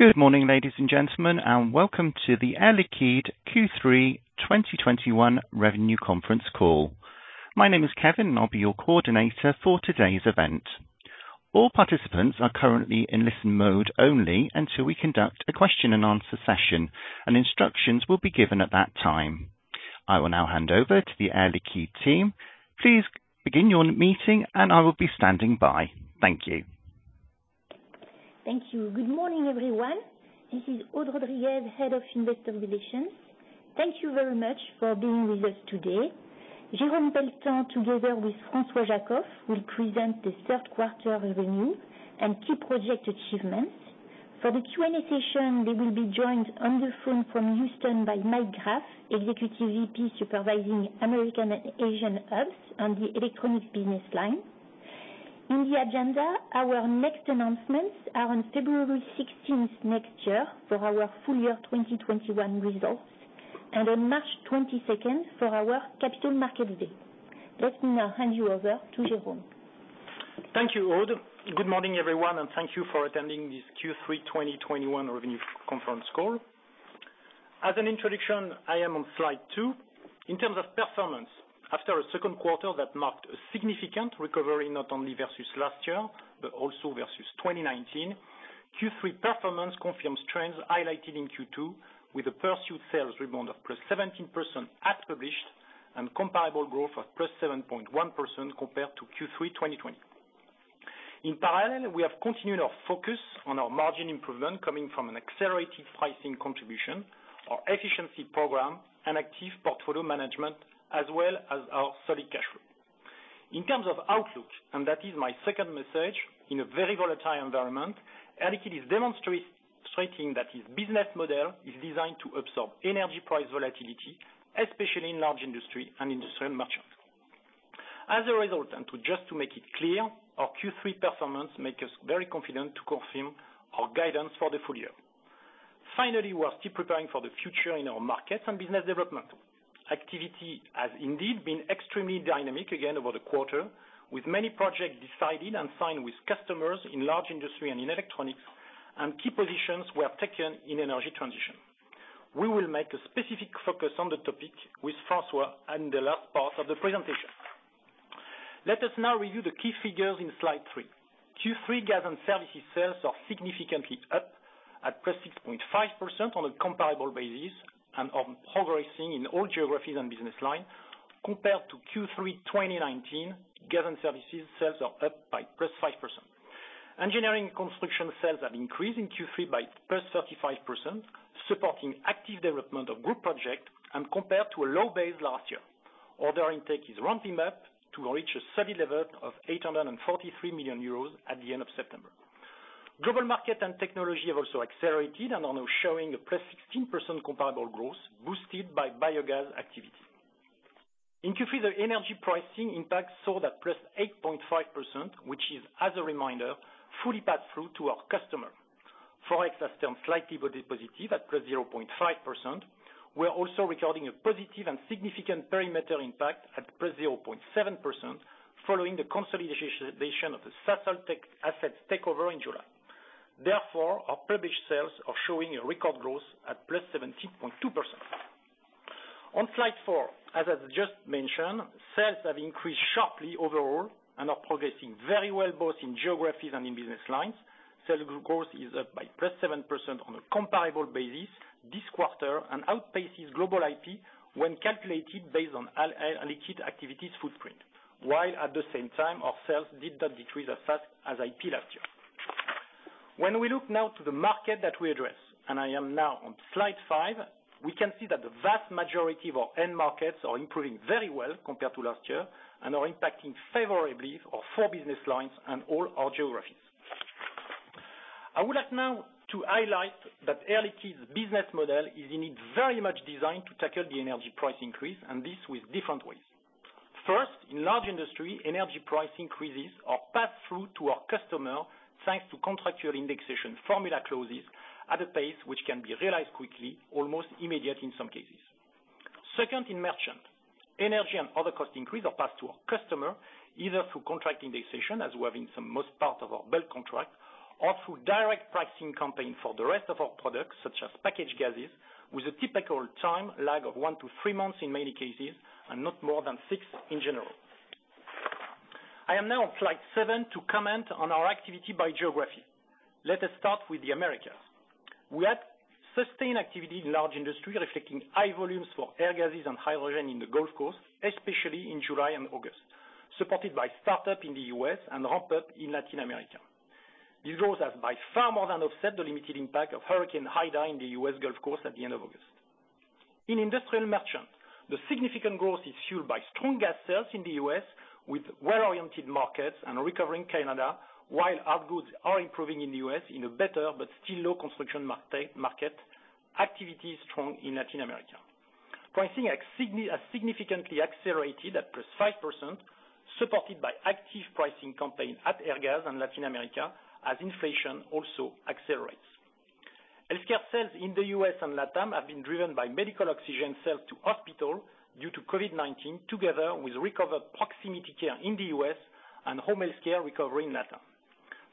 Good morning, ladies and gentlemen, and welcome to the Air Liquide Q3 2021 Revenue Conference Call. My name is Kevin, and I'll be your Coordinator for today's event. All participants are currently in listen mode only until we conduct a question and answer session, and instructions will be given at that time. I will now hand over to the Air Liquide team. Please begin your meeting and I will be standing by. Thank you. Thank you. Good morning, everyone. This is Aude Rodriguez, Head of Investor Relations. Thank you very much for being with us today. Jérôme Pelletan, together with François Jackow, will present the Third Quarter Revenue and Key Project Achievements. For the Q&A session, they will be joined on the phone from Houston by Mike Graff, Executive VP Supervising American and Asian hubs and the Electronics business line. In the agenda, our next announcements are on February 16th next year for our Full Year 2021 Results, and on March 22nd for our Capital Markets Day. Let me now hand you over to Jérôme. Thank you, Aude. Good morning, everyone, and thank you for attending this Q3 2021 Revenue Conference Call. As an introduction, I am on slide two. In terms of performance, after a second quarter that marked a significant recovery not only versus last year, but also versus 2019, Q3 performance confirms trends highlighted in Q2 with a pursued sales rebound of +17% as published and comparable growth of +7.1% compared to Q3 2020. In parallel, we have continued our focus on our margin improvement coming from an accelerated pricing contribution, our efficiency program, and active portfolio management, as well as our solid cash flow. In terms of outlook, and that is my second message, in a very volatile environment, Air Liquide is demonstrating that its business model is designed to absorb energy price volatility, especially in large industry and industrial merchants. As a result, and just to make it clear, our Q3 performance make us very confident to confirm our guidance for the full year. Finally, we are still preparing for the future in our markets and business development. Activity has indeed been extremely dynamic again over the quarter, with many projects decided and signed with customers in large industry and in Electronics, and key positions were taken in energy transition. We will make a specific focus on the topic with François in the last part of the presentation. Let us now review the key figures in slide three. Q3 gas and services sales are significantly up at +6.5% on a comparable basis and are progressing in all geographies and business line. Compared to Q3 2019, gas and services sales are up by +5%. Engineering construction sales have increased in Q3 by +35%, supporting active development of group project and compared to a low base last year. Order intake is ramping up to reach a steady level of 843 million euros at the end of September. Global market and technology have also accelerated and are now showing a +16% comparable growth, boosted by biogas activity. In Q3, the energy pricing impact showed at +8.5%, which is, as a reminder, fully passed through to our customer. Forex has turned slightly positive at +0.5%. We're also recording a positive and significant perimeter impact at +0.7%, following the consolidation of the Sasol assets takeover in July. Our published sales are showing a record growth at +17.2%. On slide four, as I just mentioned, sales have increased sharply overall and are progressing very well both in geographies and in business lines. Sales growth is up by +7% on a comparable basis this quarter, and outpaces global IP when calculated based on Air Liquide activities footprint. While at the same time, our sales did not decrease as fast as IP last year. When we look now to the market that we address, and I am now on slide five, we can see that the vast majority of our end markets are improving very well compared to last year and are impacting favorably our four business lines and all our geographies. I would like now to highlight that Air Liquide's business model is indeed very much designed to tackle the energy price increase, and this with different ways. First, in large industry, energy price increases are passed through to our customer, thanks to contractual indexation formula clauses at a pace which can be realized quickly, almost immediate in some cases. Second, in merchant. Energy and other cost increase are passed to our customer, either through contract indexation, as we have in some most part of our bulk contract, or through direct pricing campaign for the rest of our products, such as packaged gases, with a typical time lag of one to three months in many cases and not more than six in general. I am now on slide seven to comment on our activity by geography. Let us start with the Americas. We had sustained activity in large industry, reflecting high volumes for Airgas and hydrogen in the Gulf Coast, especially in July and August, supported by startup in the U.S. and ramp-up in Latin America. This growth has by far more than offset the limited impact of Hurricane Ida in the U.S. Gulf Coast at the end of August. In industrial merchant, the significant growth is fueled by strong gas sales in the U.S. with well-oriented markets and recovering Canada, while our goods are improving in the U.S. in a better but still low construction market. Activity is strong in Latin America. Pricing has significantly accelerated at +5%, supported by active pricing campaign at Airgas and Latin America, as inflation also accelerates. Healthcare sales in the U.S. and LATAM have been driven by medical oxygen sales to hospital due to COVID-19, together with recovered proximity care in the U.S. and home healthcare recovery in LATAM.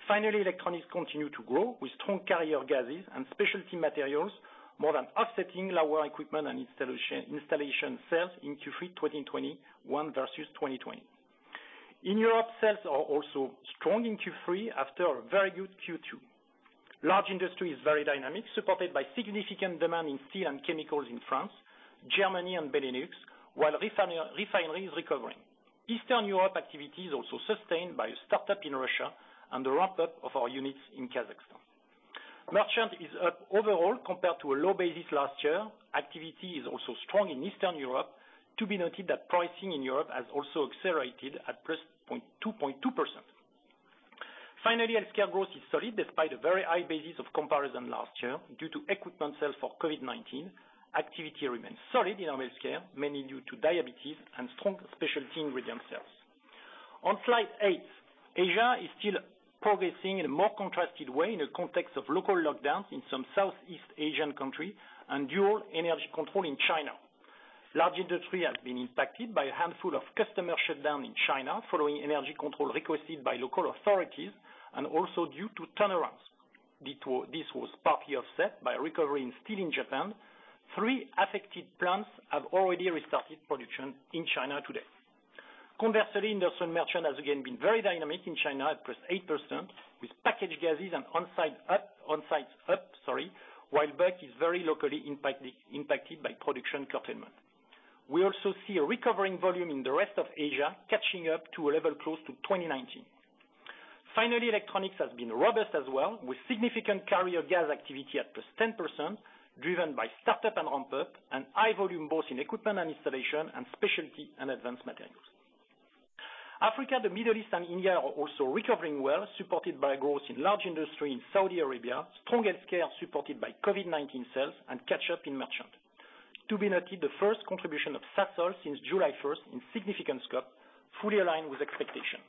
Finally, electronics continue to grow with strong carrier gases and specialty materials, more than offsetting lower equipment and installation sales in Q3 2021 versus 2020. In Europe, sales are also strong in Q3 after a very good Q2. Large industry is very dynamic, supported by significant demand in steel and chemicals in France, Germany, and Benelux, while refinery is recovering. Eastern Europe activity is also sustained by a startup in Russia and the ramp-up of our units in Kazakhstan. Merchant is up overall compared to a low basis last year. Activity is also strong in Eastern Europe. To be noted that pricing in Europe has also accelerated at +2.2%. Finally, healthcare growth is solid despite a very high basis of comparison last year due to equipment sales for COVID-19. Activity remains solid in healthcare, mainly due to diabetes and strong specialty ingredient sales. On slide eight, Asia is still progressing in a more contrasted way in the context of local lockdowns in some Southeast Asian country and dual energy control in China. Large industry has been impacted by a handful of customer shutdown in China following energy control requested by local authorities and also due to turnarounds. This was partly offset by recovery in steel in Japan. Three affected plants have already restarted production in China today. Conversely, industrial merchant has again been very dynamic in China at +8%, with packaged gases and on site up, sorry, while bulk is very locally impacted by production curtailment. We also see a recovering volume in the rest of Asia, catching up to a level close to 2019. Finally, electronics has been robust as well, with significant carrier gas activity at +10%, driven by startup and ramp-up and high volume both in equipment and installation and specialty and advanced materials. Africa, the Middle East, and India are also recovering well, supported by growth in large industry in Saudi Arabia, strong healthcare supported by COVID-19 sales, and catch-up in merchant. To be noted, the first contribution of Sasol since July 1st in significant scope, fully aligned with expectation.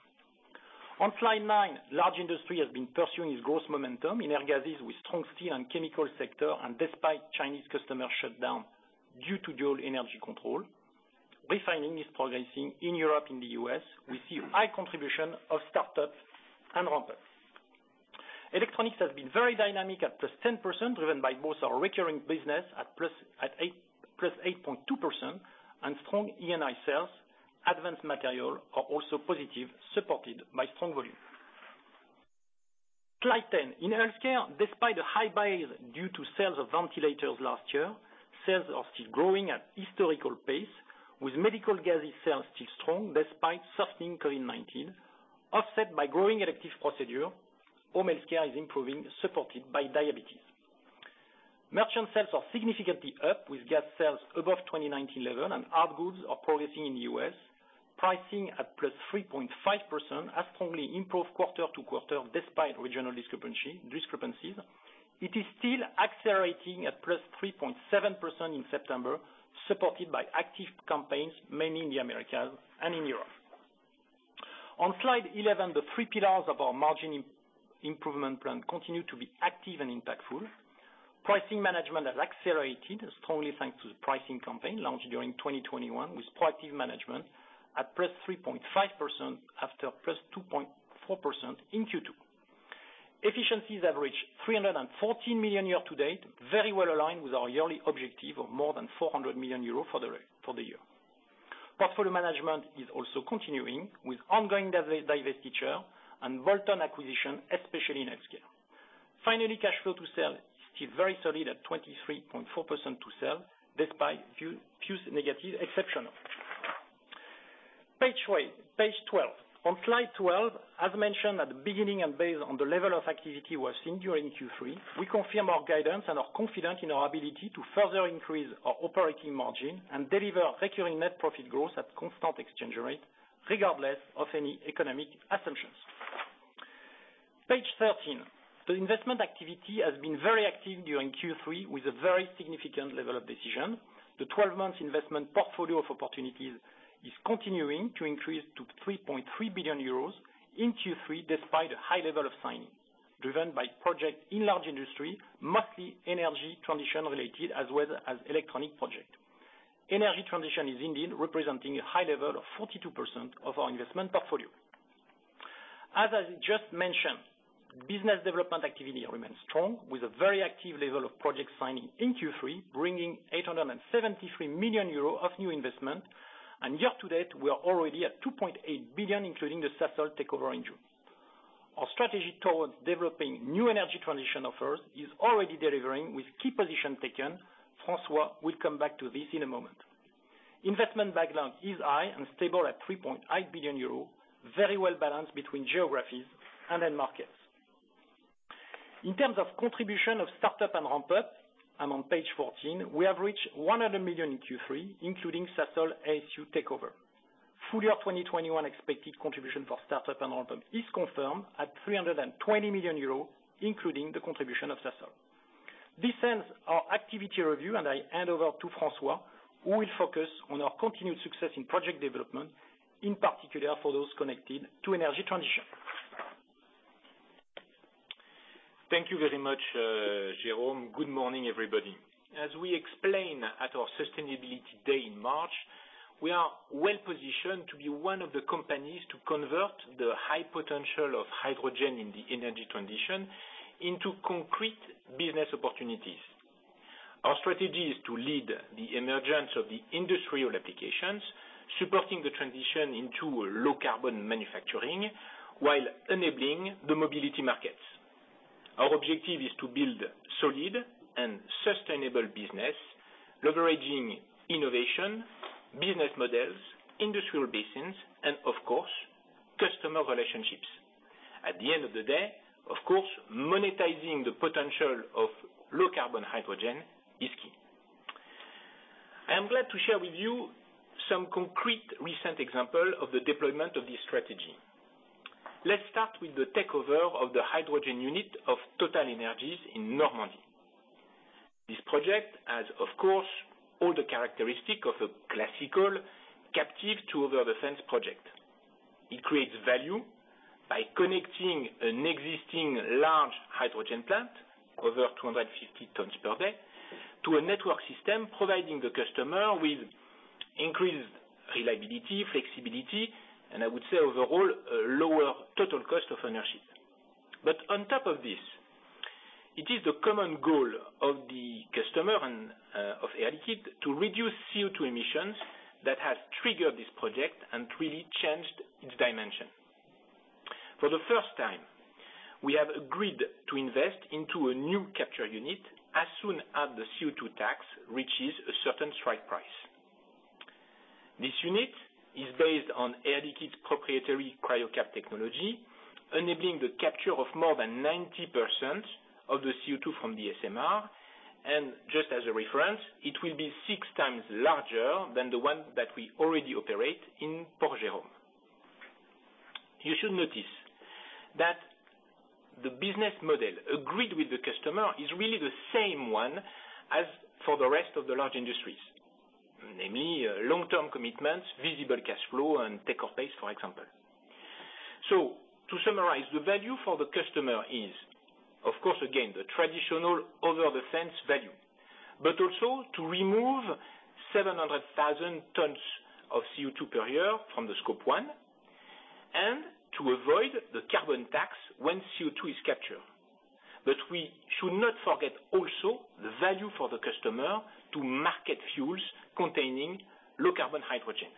On slide nine, large industry has been pursuing its growth momentum in air gases with strong steel and chemical sector and despite Chinese customer shutdown due to dual energy control. Refining is progressing in Europe and the U.S., we see high contribution of startups and ramp-ups. Electronics has been very dynamic at +10%, driven by both our recurring business at +8.2% and strong E&I sales. Advanced material are also positive, supported by strong volume. Slide 10. In healthcare, despite a high base due to sales of ventilators last year, sales are still growing at historical pace, with medical gases sales still strong despite softening COVID-19, offset by growing elective procedure. Home healthcare is improving, supported by diabetes. Merchant sales are significantly up, with gas sales above 2019 level and hard goods are progressing in the U.S. Pricing at +3.5% has strongly improved quarter to quarter despite regional discrepancies. It is still accelerating at +3.7% in September, supported by active campaigns, mainly in the Americas and in Europe. On slide 11, the three pillars of our margin improvement plan continue to be active and impactful. Pricing management has accelerated, strongly thanks to the pricing campaign launched during 2021 with proactive management at +3.5% after +2.4% in Q2. Efficiencies average 314 million euros year to date, very well aligned with our yearly objective of more than 400 million euros for the year. Portfolio management is also continuing with ongoing divestiture and bolt-on acquisition, especially in healthcare. Cash flow to sell is still very solid at 23.4% to sell despite few negative exceptions. Page 12. Slide 12, as mentioned at the beginning and based on the level of activity we have seen during Q3, we confirm our guidance and are confident in our ability to further increase our operating margin and deliver recurring net profit growth at constant exchange rate regardless of any economic assumptions. Page 13. The investment activity has been very active during Q3 with a very significant level of decision. The 12-month investment portfolio of opportunities is continuing to increase to 3.3 billion euros in Q3 despite a high level of signing, driven by project in large industry, mostly energy transition related as well as electronic project. Energy transition is indeed representing a high level of 42% of our investment portfolio. As I just mentioned, business development activity remains strong with a very active level of project signing in Q3, bringing 873 million euros of new investment. Year to date, we are already at 2.8 billion, including the Sasol takeover in June. Our strategy towards developing new energy transition offers is already delivering with key position taken. François will come back to this in a moment. Investment backlog is high and stable at 3.8 billion euros, very well balanced between geographies and end markets. In terms of contribution of startup and ramp-up, I'm on page 14, we have reached 100 million in Q3, including Sasol ASU takeover. Full-year 2021 expected contribution for startup and ramp-up is confirmed at 320 million euros, including the contribution of Sasol. This ends our activity review, and I hand over to François, who will focus on our continued success in project development, in particular for those connected to energy transition. Thank you very much, Jérôme. Good morning, everybody. As we explained at our sustainability day in March, we are well-positioned to be one of the companies to convert the high potential of hydrogen in the energy transition into concrete business opportunities. Our strategy is to lead the emergence of the industrial applications, supporting the transition into low-carbon manufacturing while enabling the mobility markets. Our objective is to build solid and sustainable business, leveraging innovation, business models, industrial basins, and of course, customer relationships. At the end of the day, of course, monetizing the potential of low-carbon hydrogen is key. I am glad to share with you some concrete recent example of the deployment of this strategy. Let's start with the takeover of the hydrogen unit of TotalEnergies in Normandy. This project has, of course, all the characteristics of a classical captive to over the fence project. It creates value by connecting an existing large hydrogen plant, over 250 tons per day, to a network system, providing the customer with increased reliability, flexibility, and I would say overall, a lower total cost of ownership. On top of this, it is the common goal of the customer and of Air Liquide to reduce CO2 emissions that has triggered this project and really changed its dimension. For the first time, we have agreed to invest into a new capture unit as soon as the CO2 tax reaches a certain strike price. This unit is based on Air Liquide's proprietary Cryocap technology, enabling the capture of more than 90% of the CO2 from the SMR, and just as a reference, it will be six times larger than the one that we already operate in Port-Jérôme. You should notice that the business model agreed with the customer is really the same one as for the rest of the large industries, namely long-term commitments, visible cash flow, and take-or-pay, for example. To summarize, the value for the customer is, of course, again, the traditional over the fence value, but also to remove 700,000 tons of CO2 per year from the Scope 1 and to avoid the carbon tax when CO2 is captured. We should not forget also the value for the customer to market fuels containing low-carbon hydrogen.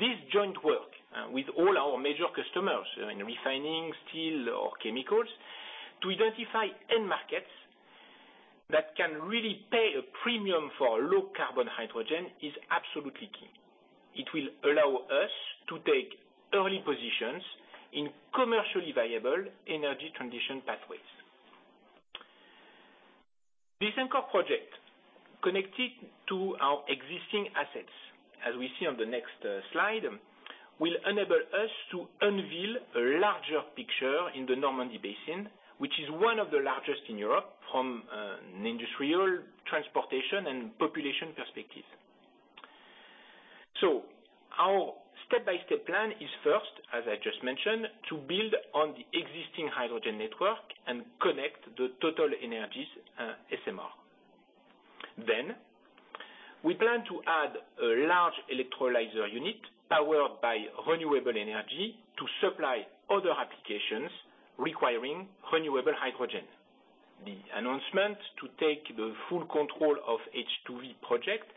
This joint work with all our major customers in refining, steel or chemicals to identify end markets that can really pay a premium for low-carbon hydrogen is absolutely key. It will allow us to take early positions in commercially viable energy transition pathways. This anchor project, connected to our existing assets, as we see on the next slide, will enable us to unveil a larger picture in the Normandy Basin, which is one of the largest in Europe from an industrial, transportation, and population perspective. Our step-by-step plan is first, as I just mentioned, to build on the existing hydrogen network and connect the TotalEnergies SMR. We plan to add a large electrolyzer unit powered by renewable energy to supply other applications requiring renewable hydrogen. The announcement to take the full control of H2V project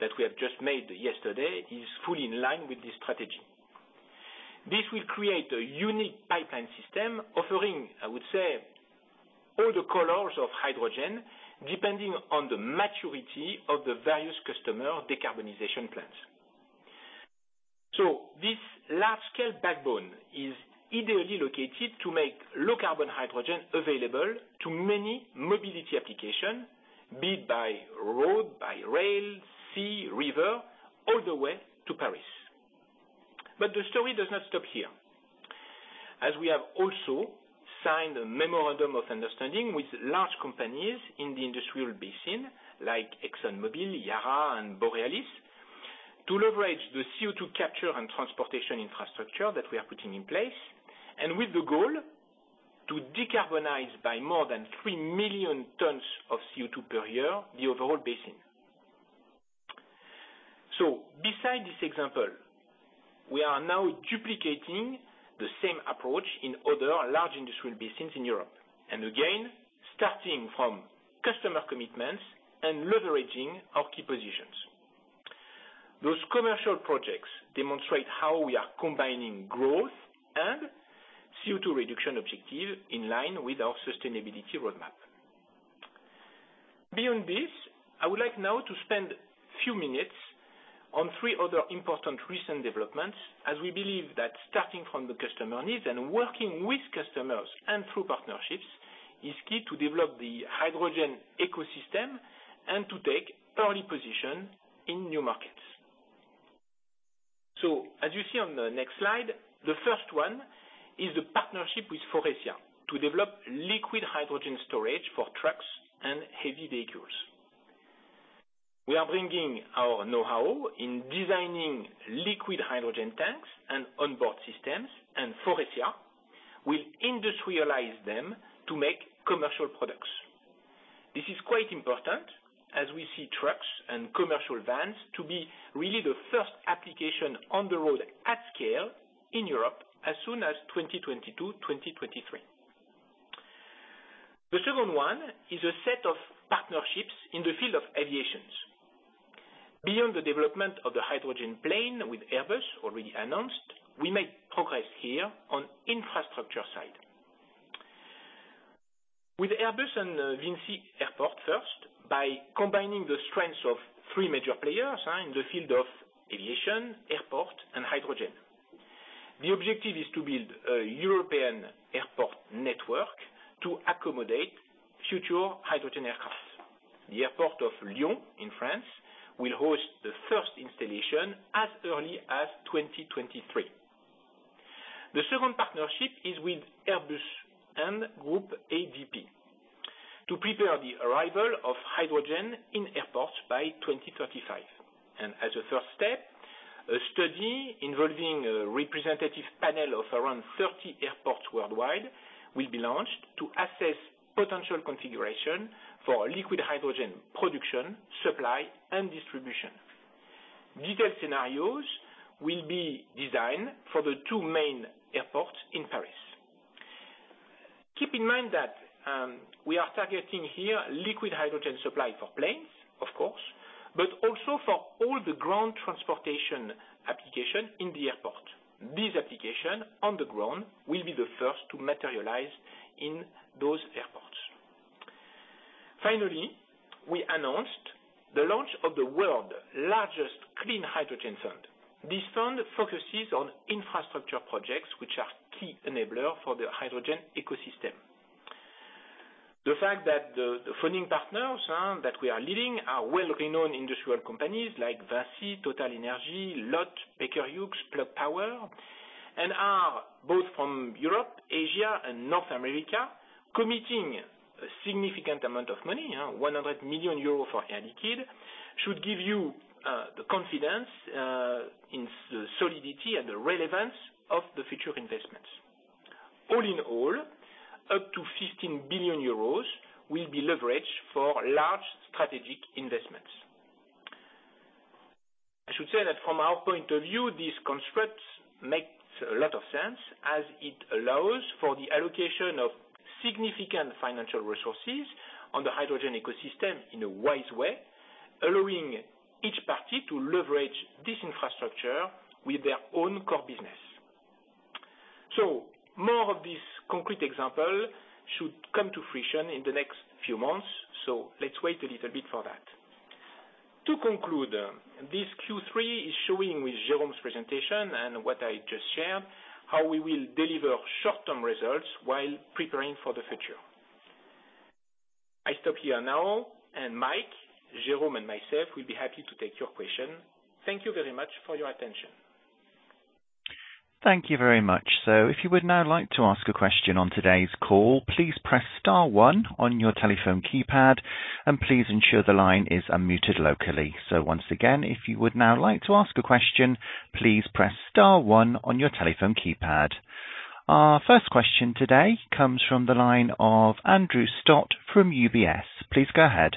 that we have just made yesterday is fully in line with this strategy. This will create a unique pipeline system offering, I would say, all the colors of hydrogen, depending on the maturity of the various customer decarbonization plans. This large-scale backbone is ideally located to make low-carbon hydrogen available to many mobility application, be it by road, by rail, sea, river, all the way to Paris. The story does not stop here. As we have also signed a memorandum of understanding with large companies in the industrial basin like ExxonMobil, Yara, and Borealis, to leverage the CO2 capture and transportation infrastructure that we are putting in place, and with the goal to decarbonize by more than 3 million tons of CO2 per year, the overall basin. Beside this example, we are now duplicating the same approach in other large industrial basins in Europe. Again, starting from customer commitments and leveraging our key positions. Those commercial projects demonstrate how we are combining growth and CO2 reduction objective in line with our sustainability roadmap. Beyond this, I would like now to spend a few minutes on three other important recent developments as we believe that starting from the customer needs and working with customers and through partnerships is key to develop the hydrogen ecosystem and to take early position in new markets. As you see on the next slide, the first one is the partnership with Faurecia to develop liquid hydrogen storage for trucks and heavy vehicles. We are bringing our know-how in designing liquid hydrogen tanks and onboard systems, and Faurecia will industrialize them to make commercial products. This is quite important as we see trucks and commercial vans to be really the first application on the road at scale in Europe as soon as 2022, 2023. The second one is a set of partnerships in the field of aviations. Beyond the development of the hydrogen plane with Airbus already announced, we made progress here on infrastructure side. With Airbus and VINCI Airports first, by combining the strengths of three major players in the field of aviation, airport and hydrogen. The objective is to build a European airport network to accommodate future hydrogen aircraft. The airport of Lyon in France will host the first installation as early as 2023. The second partnership is with Airbus and Groupe ADP to prepare the arrival of hydrogen in airports by 2035. As a first step, a study involving a representative panel of around 30 airports worldwide will be launched to assess potential configuration for liquid hydrogen production, supply, and distribution. Detailed scenarios will be designed for the two main airports in Paris. Keep in mind that we are targeting here liquid hydrogen supply for planes, of course, but also for all the ground transportation application in the airport. This application on the ground will be the first to materialize in those airports. Finally, we announced the launch of the world largest clean hydrogen fund. This fund focuses on infrastructure projects which are key enabler for the hydrogen ecosystem. The fact that the funding partners that we are leading are well-renowned industrial companies like VINCI, TotalEnergies, LOTTE, Baker Hughes, Plug Power, and are both from Europe, Asia, and North America, committing a significant amount of money, 100 million euros for Air Liquide should give you the confidence in the solidity and the relevance of the future investments. All in all, up to 15 billion euros will be leveraged for large strategic investments. I should say that from our point of view, this construct makes a lot of sense as it allows for the allocation of significant financial resources on the hydrogen ecosystem in a wise way, allowing each party to leverage this infrastructure with their own core business. More of these concrete example should come to fruition in the next few months. Let's wait a little bit for that. To conclude, this Q3 is showing with Jérôme's presentation and what I just shared, how we will deliver short-term results while preparing for the future. I stop here now, and Mike, Jérôme, and myself will be happy to take your question. Thank you very much for your attention. Thank you very much. If you would now like to ask a question on today's call, please press star one on your telephone keypad, and please ensure the line is unmuted locally. Once again, if you would now like to ask a question, please press star one on your telephone keypad. Our first question today comes from the line of Andrew Stott from UBS. Please go ahead.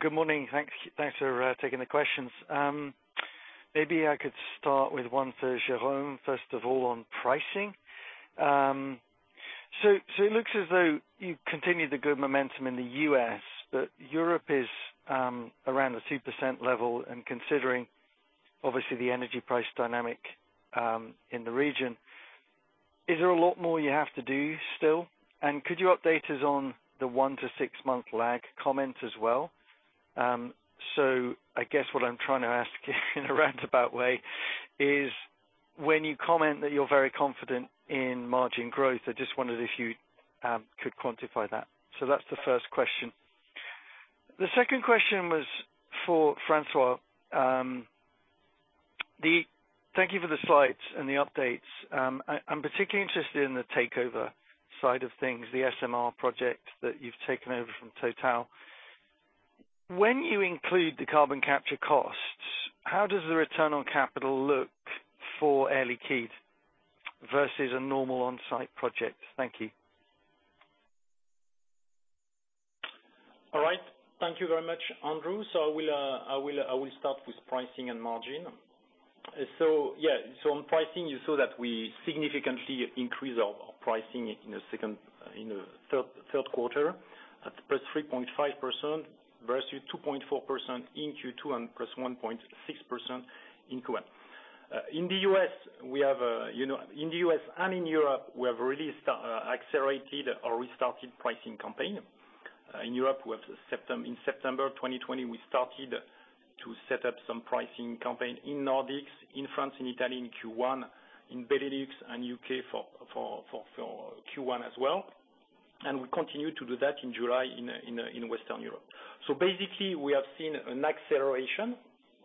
Good morning. Thanks for taking the questions. Maybe I could start with one for Jérôme, first of all on pricing. It looks as though you continued the good momentum in the U.S., but Europe is around the 2% level and considering obviously the energy price dynamic in the region. Is there a lot more you have to do still? Could you update us on the one to six month lag comment as well? I guess what I'm trying to ask in a roundabout way is when you comment that you're very confident in margin growth, I just wondered if you could quantify that. That's the first question. The second question was for François. Thank you for the slides and the updates. I'm particularly interested in the takeover side of things, the SMR project that you've taken over from TotalEnergies. When you include the carbon capture costs, how does the return on capital look for Air Liquide versus a normal onsite project? Thank you. All right. Thank you very much, Andrew. I will start with pricing and margin. On pricing, you saw that we significantly increase our pricing in the third quarter at +3.5% versus 2.4% in Q2 and +1.6% in Q1. In the U.S. and in Europe, we have really accelerated or restarted pricing campaign. In Europe, in September 2020, we started to set up some pricing campaign in Nordics, in France, in Italy in Q1, in Benelux and U.K. for Q1 as well. We continue to do that in July in Western Europe. We have seen an acceleration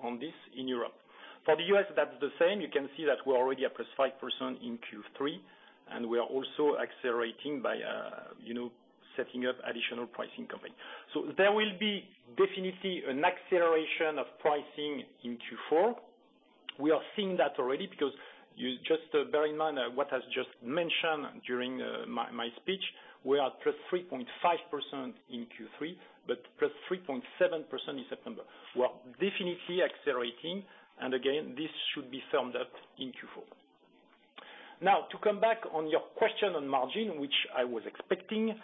on this in Europe. For the U.S., that's the same. You can see that we're already at +5% in Q3, and we are also accelerating by setting up additional pricing campaign. There will be definitely an acceleration of pricing in Q4. We are seeing that already because, just bear in mind what I just mentioned during my speech, we are +3.5% in Q3, but +3.7% in September. We are definitely accelerating, and again, this should be summed up in Q4. To come back on your question on margin, which I was expecting.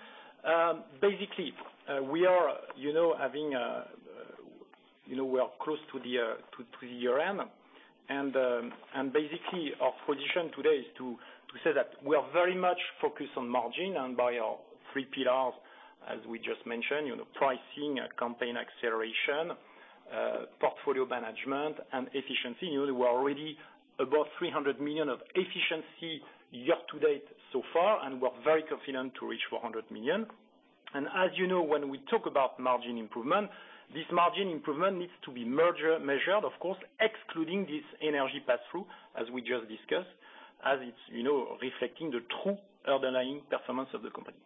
We are close to the year-end, and basically, our position today is to say that we are very much focused on margin and by our three pillars, as we just mentioned, pricing, campaign acceleration, portfolio management, and efficiency. We are already above 300 million of efficiency year-to-date so far, we're very confident to reach 400 million. As you know, when we talk about margin improvement, this margin improvement needs to be measured, of course, excluding this energy pass-through, as we just discussed, as it's reflecting the true underlying performance of the company.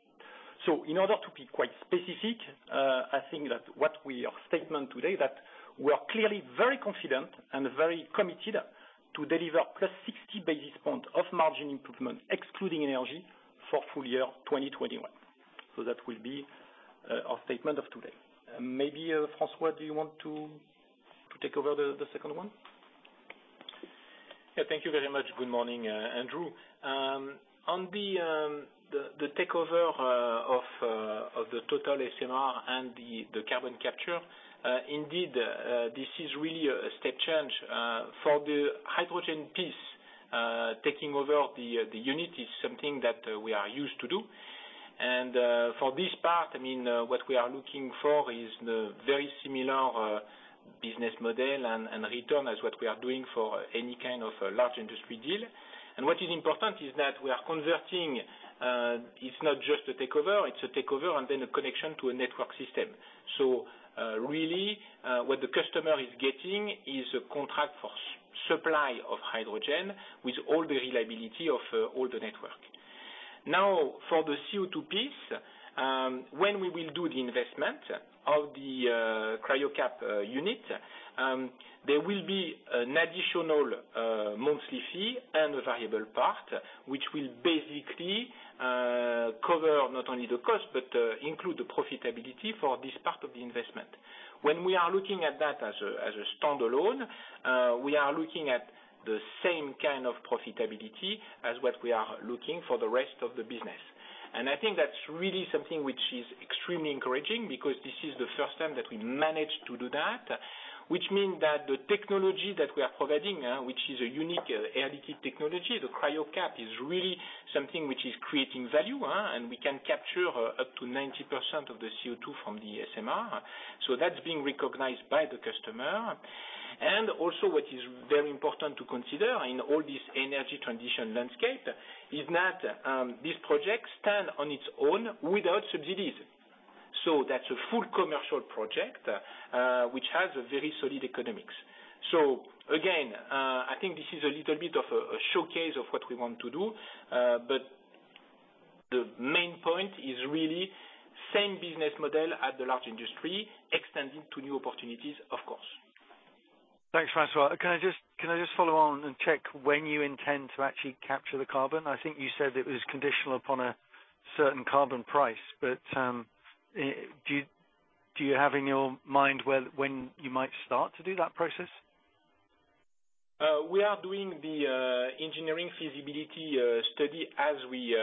In order to be quite specific, I think that our statement today that we are clearly very confident and very committed to deliver +60 basis point of margin improvement, excluding energy, for full year 2021. That will be our statement of today. Maybe, François, do you want to take over the second one? Yeah. Thank you very much. Good morning, Andrew. On the takeover of the TotalEnergies SMR and the carbon capture, indeed, this is really a step change. For the hydrogen piece, taking over the unit is something that we are used to do. For this part, what we are looking for is very similar business model and return as what we are doing for any kind of large industry deal. What is important is that we are converting, it's not just a takeover, it's a takeover and then a connection to a network system. Really, what the customer is getting is a contract for supply of hydrogen with all the reliability of all the network. Now, for the CO2 piece, when we will do the investment of the Cryocap unit, there will be an additional monthly fee and a variable part, which will basically cover not only the cost, but include the profitability for this part of the investment. When we are looking at that as a standalone, we are looking at the same kind of profitability as what we are looking for the rest of the business. I think that's really something which is extremely encouraging because this is the first time that we managed to do that, which means that the technology that we are providing, which is a unique Air Liquide technology, the Cryocap, is really something which is creating value. We can capture up to 90% of the CO2 from the SMR. That's being recognized by the customer. Also what is very important to consider in all this energy transition landscape is that this project stand on its own without subsidies. That's a full commercial project, which has a very solid economics. Again, I think this is a little bit of a showcase of what we want to do. The main point is really same business model at the large industry, extending to new opportunities, of course. Thanks, François. Can I just follow on and check when you intend to actually capture the carbon? I think you said it was conditional upon a certain carbon price, but do you have in your mind when you might start to do that process? We are doing the engineering feasibility study as we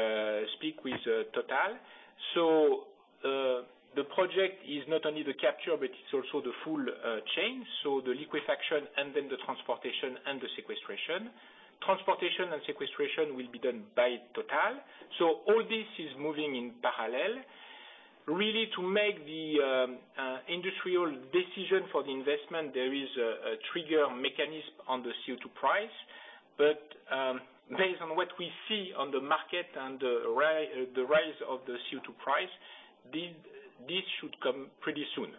speak with TotalEnergies. The project is not only the capture, but it's also the full chain, so the liquefaction and then the transportation and the sequestration. Transportation and sequestration will be done by TotalEnergies. All this is moving in parallel. Really to make the industrial decision for the investment, there is a trigger mechanism on the CO2 price. Based on what we see on the market and the rise of the CO2 price, this should come pretty soon.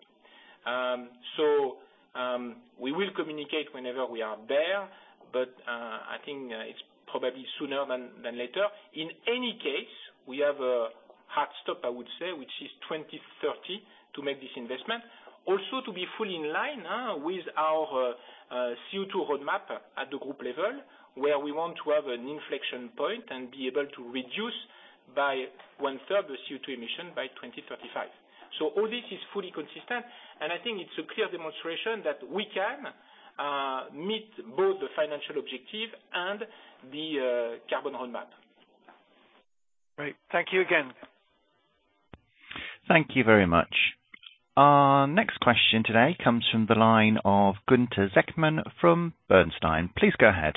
We will communicate whenever we are there, but I think it's probably sooner than later. In any case, we have a hard stop, I would say, which is 2030 to make this investment. To be fully in line with our CO2 roadmap at the group level, where we want to have an inflection point and be able to reduce by one-third the CO2 emission by 2035. All this is fully consistent, and I think it's a clear demonstration that we can meet both the financial objective and the carbon roadmap. Great. Thank you again. Thank you very much. Our next question today comes from the line of Gunther Zechmann from Bernstein. Please go ahead.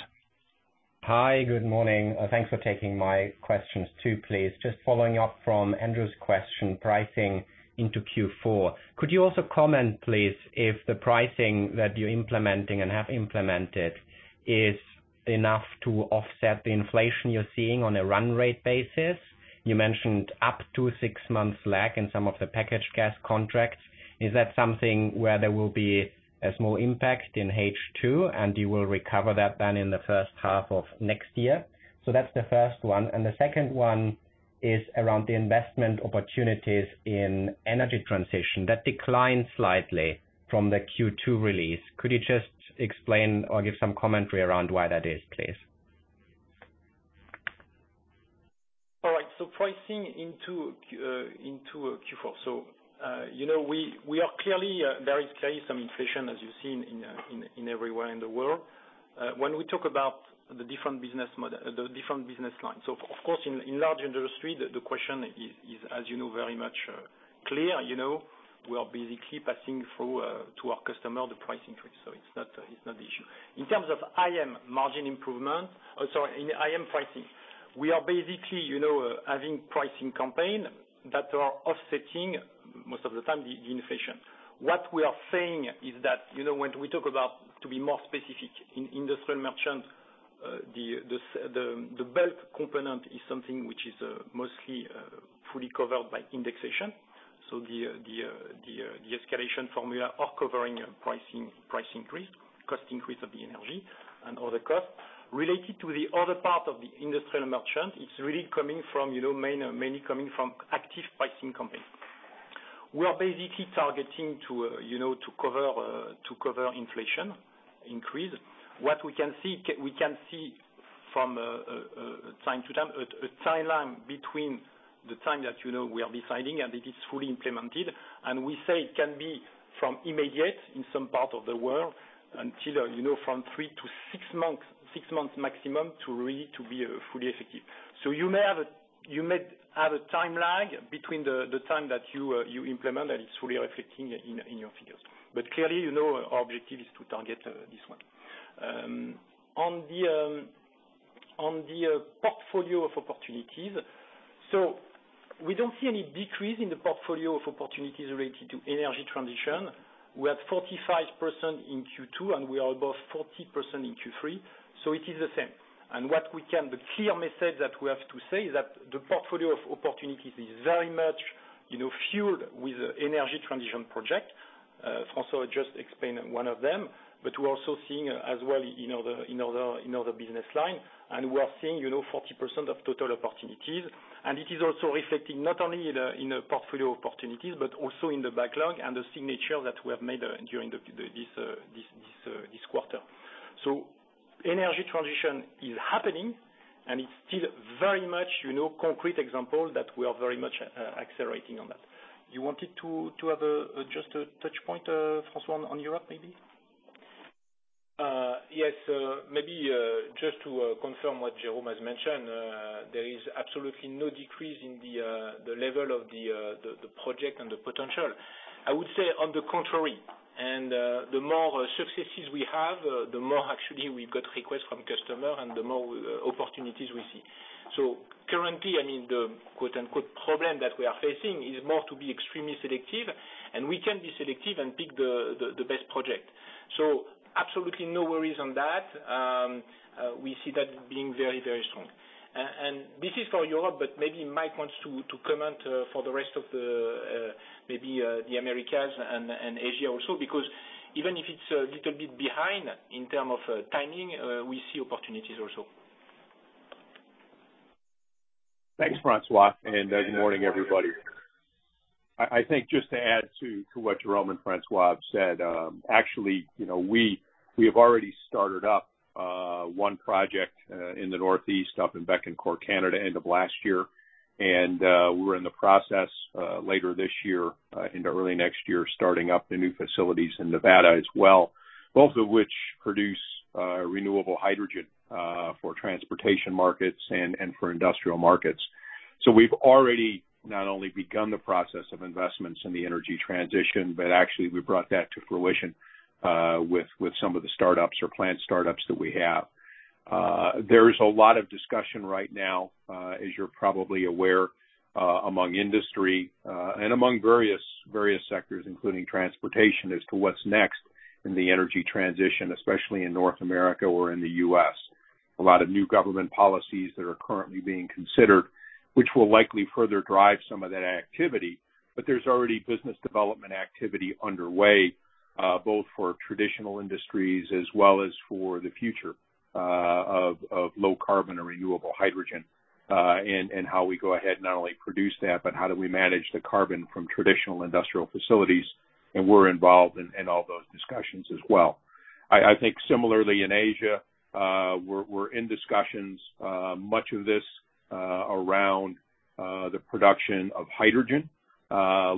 Hi. Good morning. Thanks for taking my questions too, please. Just following up from Andrew's question, pricing into Q4. Could you also comment, please, if the pricing that you're implementing and have implemented is enough to offset the inflation you're seeing on a run rate basis. You mentioned up to six months lag in some of the packaged gas contracts. Is that something where there will be a small impact in H2, and you will recover that then in the first half of next year? That's the first one. The second one is around the investment opportunities in energy transition. That declined slightly from the Q2 release. Could you just explain or give some commentary around why that is, please? All right. Pricing into Q4. There is clearly some inflation, as you've seen in everywhere in the world. When we talk about the different business lines, of course, in large industry, the question is, as you know, very much clear. We are basically passing through to our customer the price increase, so it's not the issue. In terms of IM pricing. We are basically having pricing campaign that are offsetting, most of the time, the inflation. What we are saying is that, when we talk about, to be more specific, in industrial merchant, the bulk component is something which is mostly fully covered by indexation. The escalation formula are covering price increase, cost increase of the energy and other costs. Related to the other part of the industrial merchant, it's really mainly coming from active pricing campaigns. We are basically targeting to cover inflation increase. What we can see from time to time, a timeline between the time that we are deciding, and it is fully implemented, and we say it can be from immediate in some part of the world until from three to six months maximum to really to be fully effective. You may have a time lag between the time that you implement, and it's fully reflecting in your figures. Clearly, our objective is to target this one. On the portfolio of opportunities. We don't see any decrease in the portfolio of opportunities related to energy transition. We are at 45% in Q2, and we are above 40% in Q3. It is the same. The clear message that we have to say is that the portfolio of opportunities is very much fueled with energy transition project. François just explained one of them, but we're also seeing as well in other business line, and we are seeing 40% of total opportunities. It is also reflecting not only in the portfolio opportunities, but also in the backlog and the signature that we have made during this quarter. Energy transition is happening, and it's still very much concrete example that we are very much accelerating on that. You wanted to have just a touch point, François, on Europe maybe? Yes. Maybe just to confirm what Jérôme has mentioned. There is absolutely no decrease in the level of the project and the potential. I would say on the contrary, and the more successes we have, the more actually we've got requests from customer and the more opportunities we see. Currently, I mean, the quote-unquote problem that we are facing is more to be extremely selective, and we can be selective and pick the best project. Absolutely no worries on that. We see that being very strong. This is for Europe, but maybe Mike wants to comment for the rest of maybe the Americas and Asia also, because even if it's a little bit behind in term of timing, we see opportunities also. Thanks, François. Good morning, everybody. I think just to add to what Jérôme and François said, actually, we have already started up one project in the Northeast, up in Bécancour, Canada, end of last year. We're in the process later this year into early next year, starting up the new facilities in Nevada as well, both of which produce renewable hydrogen for transportation markets and for industrial markets. We've already not only begun the process of investments in the energy transition, but actually we brought that to fruition with some of the startups or plant startups that we have. There is a lot of discussion right now, as you're probably aware, among industry and among various sectors, including transportation, as to what's next in the energy transition, especially in North America or in the U.S. A lot of new government policies that are currently being considered, which will likely further drive some of that activity, but there's already business development activity underway, both for traditional industries as well as for the future of low carbon or renewable hydrogen. How we go ahead not only produce that, but how do we manage the carbon from traditional industrial facilities, and we're involved in all those discussions as well. I think similarly in Asia, we're in discussions, much of this around the production of hydrogen,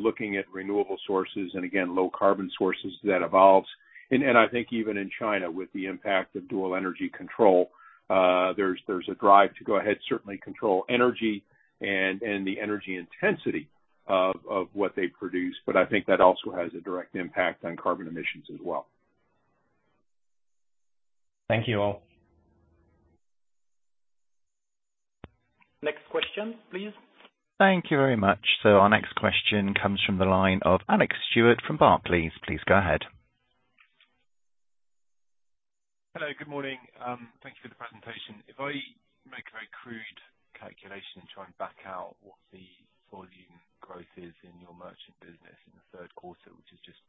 looking at renewable sources and again, low carbon sources that evolves. I think even in China, with the impact of dual energy control, there's a drive to go ahead, certainly control energy and the energy intensity of what they produce. I think that also has a direct impact on carbon emissions as well. Thank you all. Next question, please. Thank you very much. Our next question comes from the line of Alex Stewart from Barclays. Please go ahead. Hello, good morning. Thank you for the presentation. If I make a very crude calculation and try and back out what the volume growth is in your merchant business in the third quarter, which is just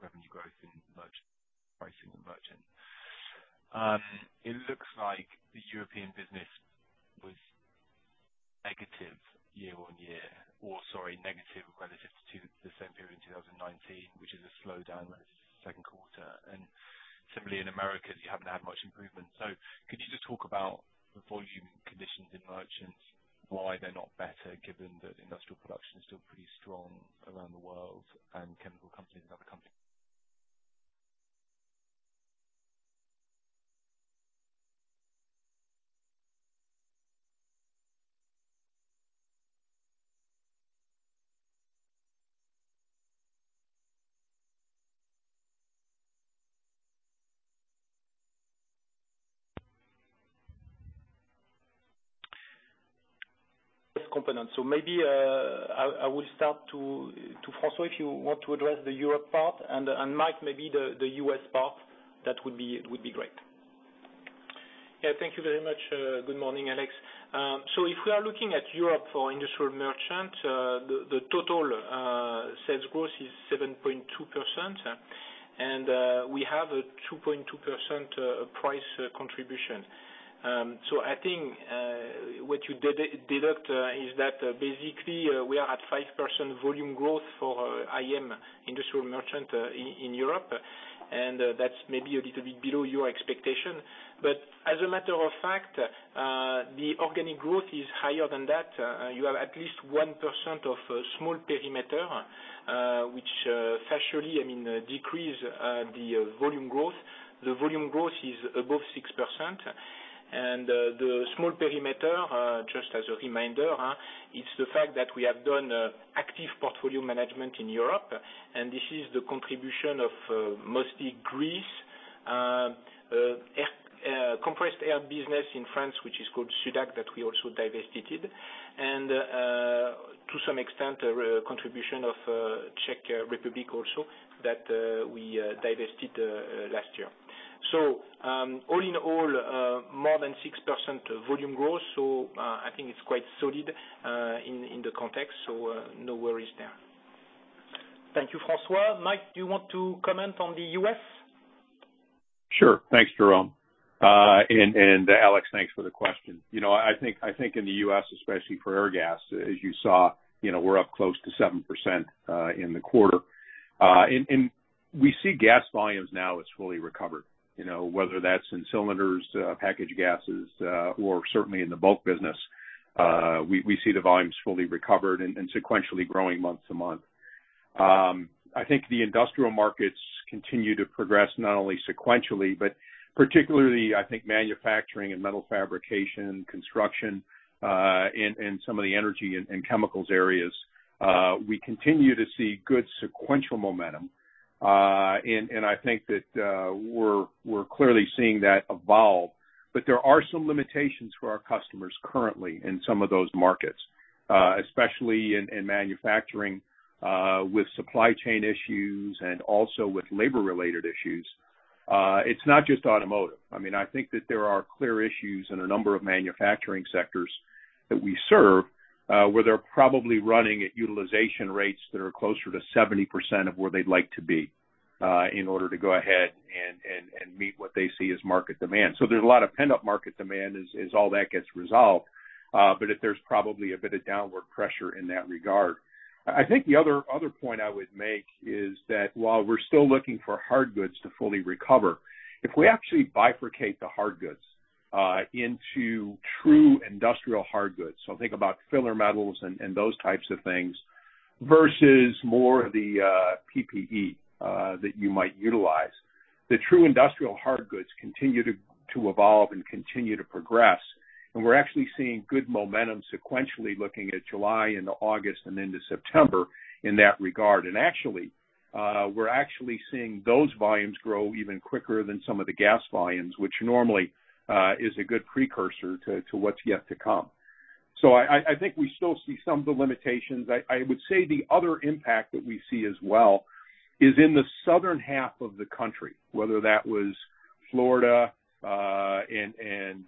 revenue growth in merchant, pricing in merchant. It looks like the European business was negative year-on-year, or sorry, negative relative to the same period in 2019, which is a slowdown versus second quarter. Similarly in Americas, you haven't had much improvement. Could you just talk about the volume conditions in merchants, why they're not better given that industrial production is still pretty strong around the world and chemical companies and other companies? Component. Maybe I will start to François, if you want to address the Europe part, and Mike, maybe the U.S. part. That would be great. Thank you very much. Good morning, Alex. If we are looking at Europe for industrial merchant, the total sales growth is 7.2%, and we have a 2.2% price contribution. I think, what you deduct is that basically, we are at 5% volume growth for IM, industrial merchant, in Europe, and that's maybe a little bit below your expectation. As a matter of fact, the organic growth is higher than that. You have at least 1% of small perimeter, which factually, I mean, decrease the volume growth. The volume growth is above 6%. The small perimeter, just as a reminder, it's the fact that we have done active portfolio management in Europe, and this is the contribution of mostly Greece, compressed air business in France, which is called Sudac, that we also divested. To some extent, a contribution of Czech Republic also that we divested last year. All in all, more than 6% volume growth. I think it's quite solid in the context, so no worries there. Thank you, François. Mike, do you want to comment on the U.S.? Sure. Thanks, Jérôme. Alex, thanks for the question. I think in the U.S., especially for Airgas, as you saw, we're up close to 7% in the quarter. We see gas volumes now as fully recovered. Whether that's in cylinders, packaged gases, or certainly in the bulk business, we see the volumes fully recovered and sequentially growing month-to-month. I think the industrial markets continue to progress, not only sequentially, but particularly I think manufacturing and metal fabrication, construction, and some of the energy and chemicals areas. We continue to see good sequential momentum. I think that we're clearly seeing that evolve. There are some limitations for our customers currently in some of those markets, especially in manufacturing, with supply chain issues and also with labor-related issues. It's not just automotive. I think that there are clear issues in a number of manufacturing sectors that we serve, where they're probably running at utilization rates that are closer to 70% of where they'd like to be, in order to go ahead and meet what they see as market demand. There's a lot of pent-up market demand as all that gets resolved. There's probably a bit of downward pressure in that regard. I think the other point I would make is that while we're still looking for hard goods to fully recover, if we actually bifurcate the hard goods into true industrial hard goods, so think about filler metals and those types of things, versus more of the PPE that you might utilize. The true industrial hard goods continue to evolve and continue to progress, and we're actually seeing good momentum sequentially looking at July into August and into September in that regard. Actually, we're actually seeing those volumes grow even quicker than some of the gas volumes, which normally is a good precursor to what's yet to come. I think we still see some of the limitations. I would say the other impact that we see as well is in the southern half of the country, whether that was Florida and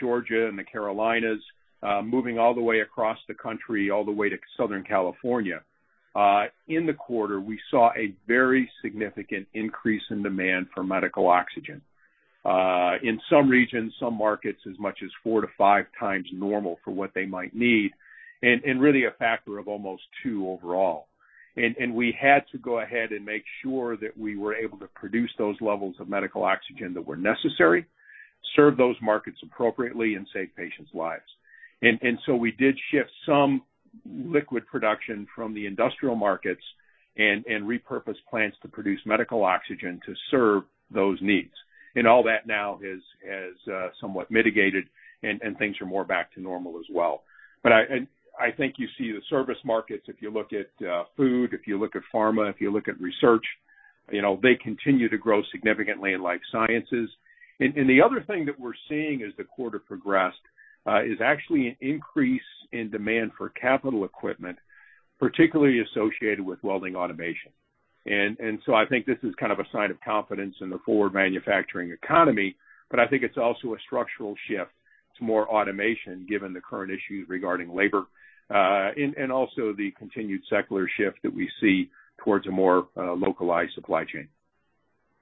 Georgia and the Carolinas, moving all the way across the country, all the way to Southern California. In the quarter, we saw a very significant increase in demand for medical oxygen. In some regions, some markets, as much as four to five times normal for what they might need, and really a factor of almost two overall. We had to go ahead and make sure that we were able to produce those levels of medical oxygen that were necessary, serve those markets appropriately, and save patients' lives. We did shift some liquid production from the industrial markets and repurposed plants to produce medical oxygen to serve those needs. All that now has somewhat mitigated and things are more back to normal as well. I think you see the service markets, if you look at food, if you look at pharma, if you look at research. They continue to grow significantly in life sciences. The other thing that we're seeing as the quarter progressed is actually an increase in demand for capital equipment, particularly associated with welding automation. I think this is kind of a sign of confidence in the forward manufacturing economy, but I think it's also a structural shift to more automation given the current issues regarding labor, and also the continued secular shift that we see towards a more localized supply chain.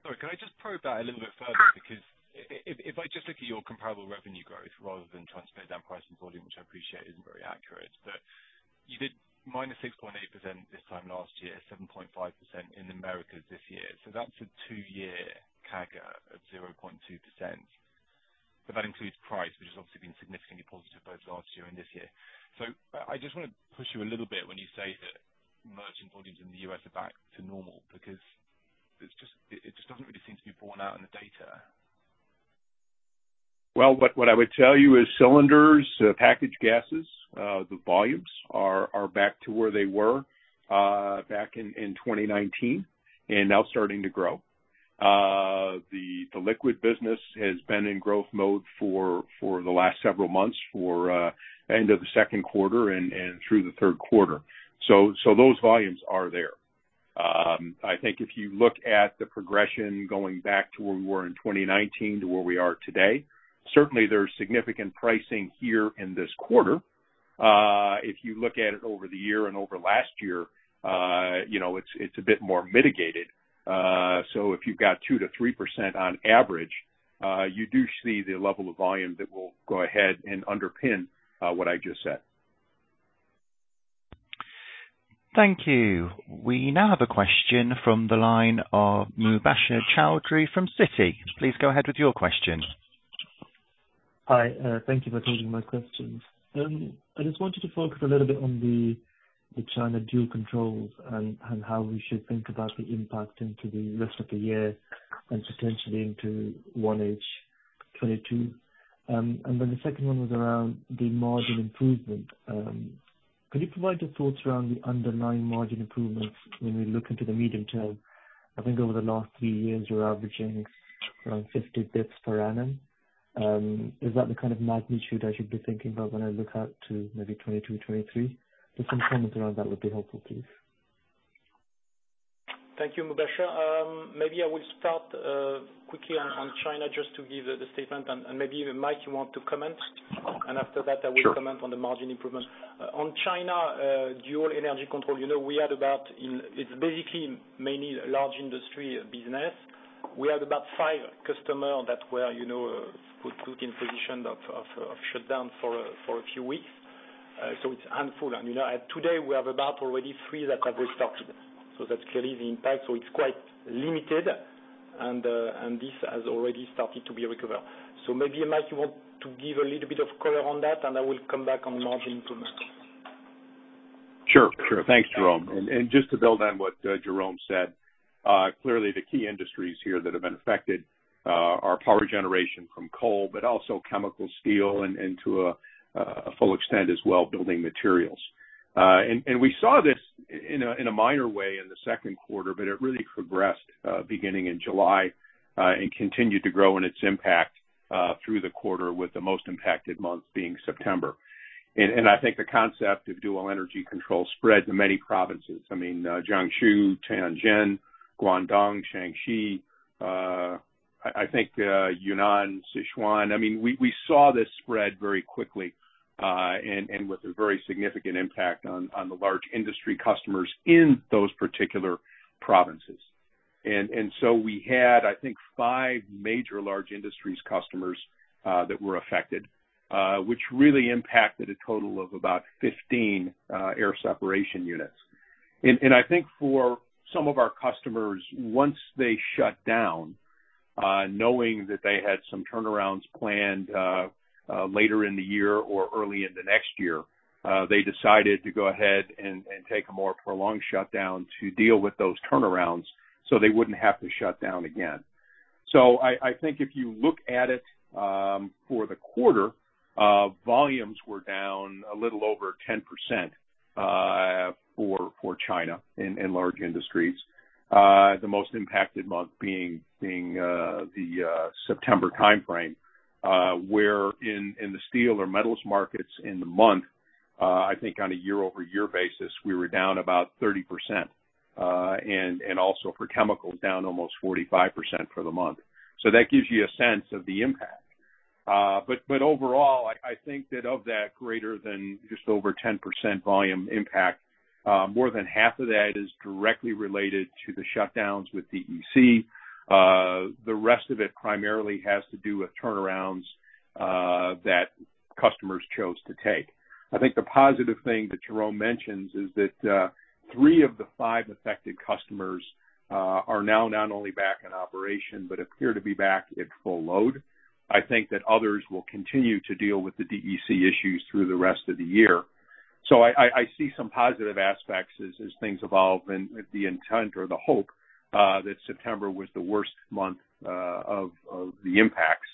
Sorry, can I just probe that a little bit further? If I just look at your comparable revenue growth rather than trying to pin down price and volume, which I appreciate isn't very accurate, but you did -6.8% this time last year, 7.5% in Americas this year. That's a two-year CAGR of 0.2%. That includes price, which has obviously been significantly positive both last year and this year. I just want to push you a little bit when you say that merchant volumes in the U.S. are back to normal, because it just doesn't really seem to be borne out in the data. What I would tell you is cylinders, packaged gases, the volumes are back to where they were back in 2019 and now starting to grow. The liquid business has been in growth mode for the last several months, for end of the second quarter and through the third quarter. Those volumes are there. I think if you look at the progression going back to where we were in 2019 to where we are today, certainly there's significant pricing here in this quarter. If you look at it over the year and over last year, it's a bit more mitigated. If you've got 2%-3% on average, you do see the level of volume that will go ahead and underpin what I just said. Thank you. We now have a question from the line of Mubasher Chaudhry from Citi. Please go ahead with your question. Hi. Thank you for taking my questions. I just wanted to focus a little bit on the China dual controls and how we should think about the impact into the rest of the year and potentially into 1H 2022. The second one was around the margin improvement. Can you provide your thoughts around the underlying margin improvements when we look into the medium term? I think over the last three years, we're averaging around 50 basis points per annum. Is that the kind of magnitude I should be thinking about when I look out to maybe 2022, 2023? Just some comments around that would be helpful, please. Thank you, Mubasher. I will start quickly on China just to give the statement, and Mike, you want to comment. After that. Sure I will comment on the margin improvements. On China dual energy control, it's basically mainly large industry business. We had about five customers that were put in position of shutdown for a few weeks. it's handful. Today we have about already three that have restarted. that's clearly the impact. it's quite limited, and this has already started to be recovered. maybe, Mike, you want to give a little bit of color on that, and I will come back on margin improvements. Sure. Thanks, Jérôme. Just to build on what Jérôme said, clearly the key industries here that have been affected are power generation from coal, also chemical, steel, and to a full extent as well, building materials. We saw this in a minor way in the second quarter, it really progressed beginning in July and continued to grow in its impact through the quarter, with the most impacted month being September. I think the concept of dual energy control spread to many provinces. I mean, Jiangsu, Tianjin, Guangdong, Shanxi, I think Yunnan, Sichuan. We saw this spread very quickly, with a very significant impact on the large industry customers in those particular provinces. We had, I think, five major large industries customers that were affected, which really impacted a total of about 15 air separation units. I think for some of our customers, once they shut down, knowing that they had some turnarounds planned later in the year or early in the next year, they decided to go ahead and take a more prolonged shutdown to deal with those turnarounds so they wouldn't have to shut down again. I think if you look at it for the quarter, volumes were down a little over 10% for China in large industries. The most impacted month being the September timeframe, where in the steel or metals markets in the month, I think on a year-over-year basis, we were down about 30%, and also for chemicals, down almost 45% for the month. That gives you a sense of the impact. Overall, I think that of that greater than just over 10% volume impact, more than half of that is directly related to the shutdowns with DEC. The rest of it primarily has to do with turnarounds that customers chose to take. I think the positive thing that Jérôme mentions is that three of the five affected customers are now not only back in operation, but appear to be back at full load. I think that others will continue to deal with the DEC issues through the rest of the year. I see some positive aspects as things evolve and the intent or the hope that September was the worst month of the impacts.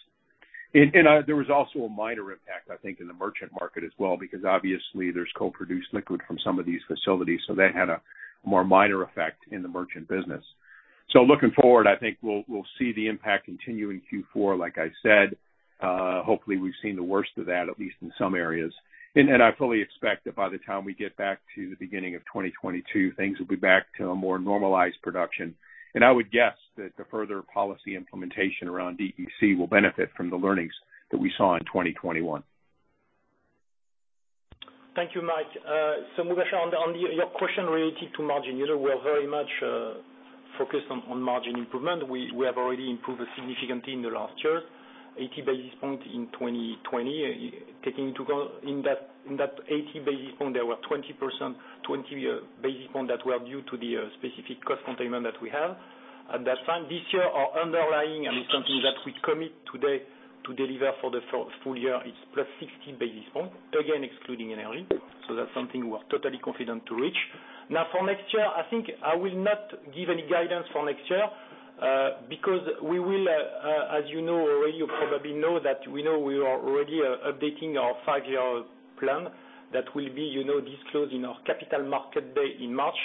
There was also a minor impact, I think, in the merchant market as well, because obviously there's co-produced liquid from some of these facilities, so that had a more minor effect in the merchant business. Looking forward, I think we'll see the impact continue in Q4, like I said. Hopefully, we've seen the worst of that, at least in some areas. I fully expect that by the time we get back to the beginning of 2022, things will be back to a more normalized production. I would guess that the further policy implementation around DEC will benefit from the learnings that we saw in 2021. Thank you, Mike. Mubasher, on your question related to margin, you know we are very much focused on margin improvement. We have already improved significantly in the last year, 80 basis points in 2020. Taking into account in that 80 basis points, there were 20 basis points that were due to the specific cost containment that we have at that time. This year, our underlying, and it's something that we commit today to deliver for the full year, is +60 basis points, again, excluding energy. That's something we are totally confident to reach. For next year, I think I will not give any guidance for next year, because we will, as you know already, you probably know that we know we are already updating our five-year plan that will be disclosed in our capital market day in March.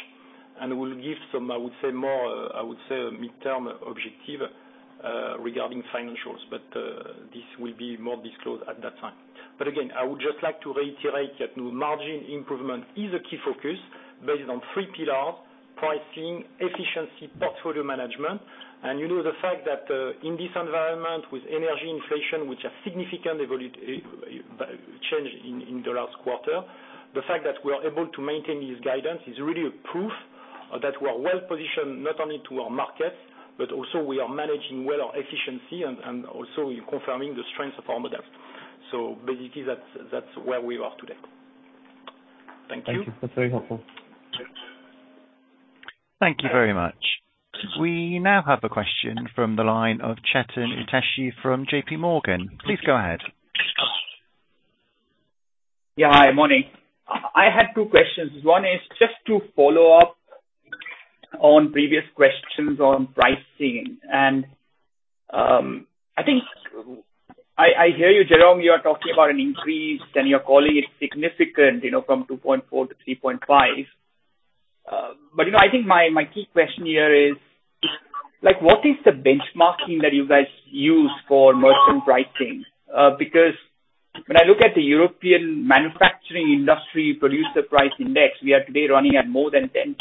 We'll give some, I would say, midterm objective regarding financials. This will be more disclosed at that time. Again, I would just like to reiterate that margin improvement is a key focus based on three pillars: pricing, efficiency, portfolio management. You know the fact that in this environment with energy inflation, which has significantly changed in the last quarter, the fact that we are able to maintain this guidance is really a proof that we are well-positioned not only to our markets, but also we are managing well our efficiency and also confirming the strength of our model. Basically, that's where we are today. Thank you. Thank you. That's very helpful. Sure. Thank you very much. We now have a question from the line of Chetan Udeshi from JPMorgan. Please go ahead. Yeah. Hi, morning. I had two questions. One is just to follow up on previous questions on pricing. I think I hear you, Jérôme, you are talking about an increase, and you're calling it significant from 2.4% to 3.5%. I think my key question here is, what is the benchmarking that you guys use for merchant pricing? When I look at the European manufacturing industry producer price index, we are today running at more than 10%.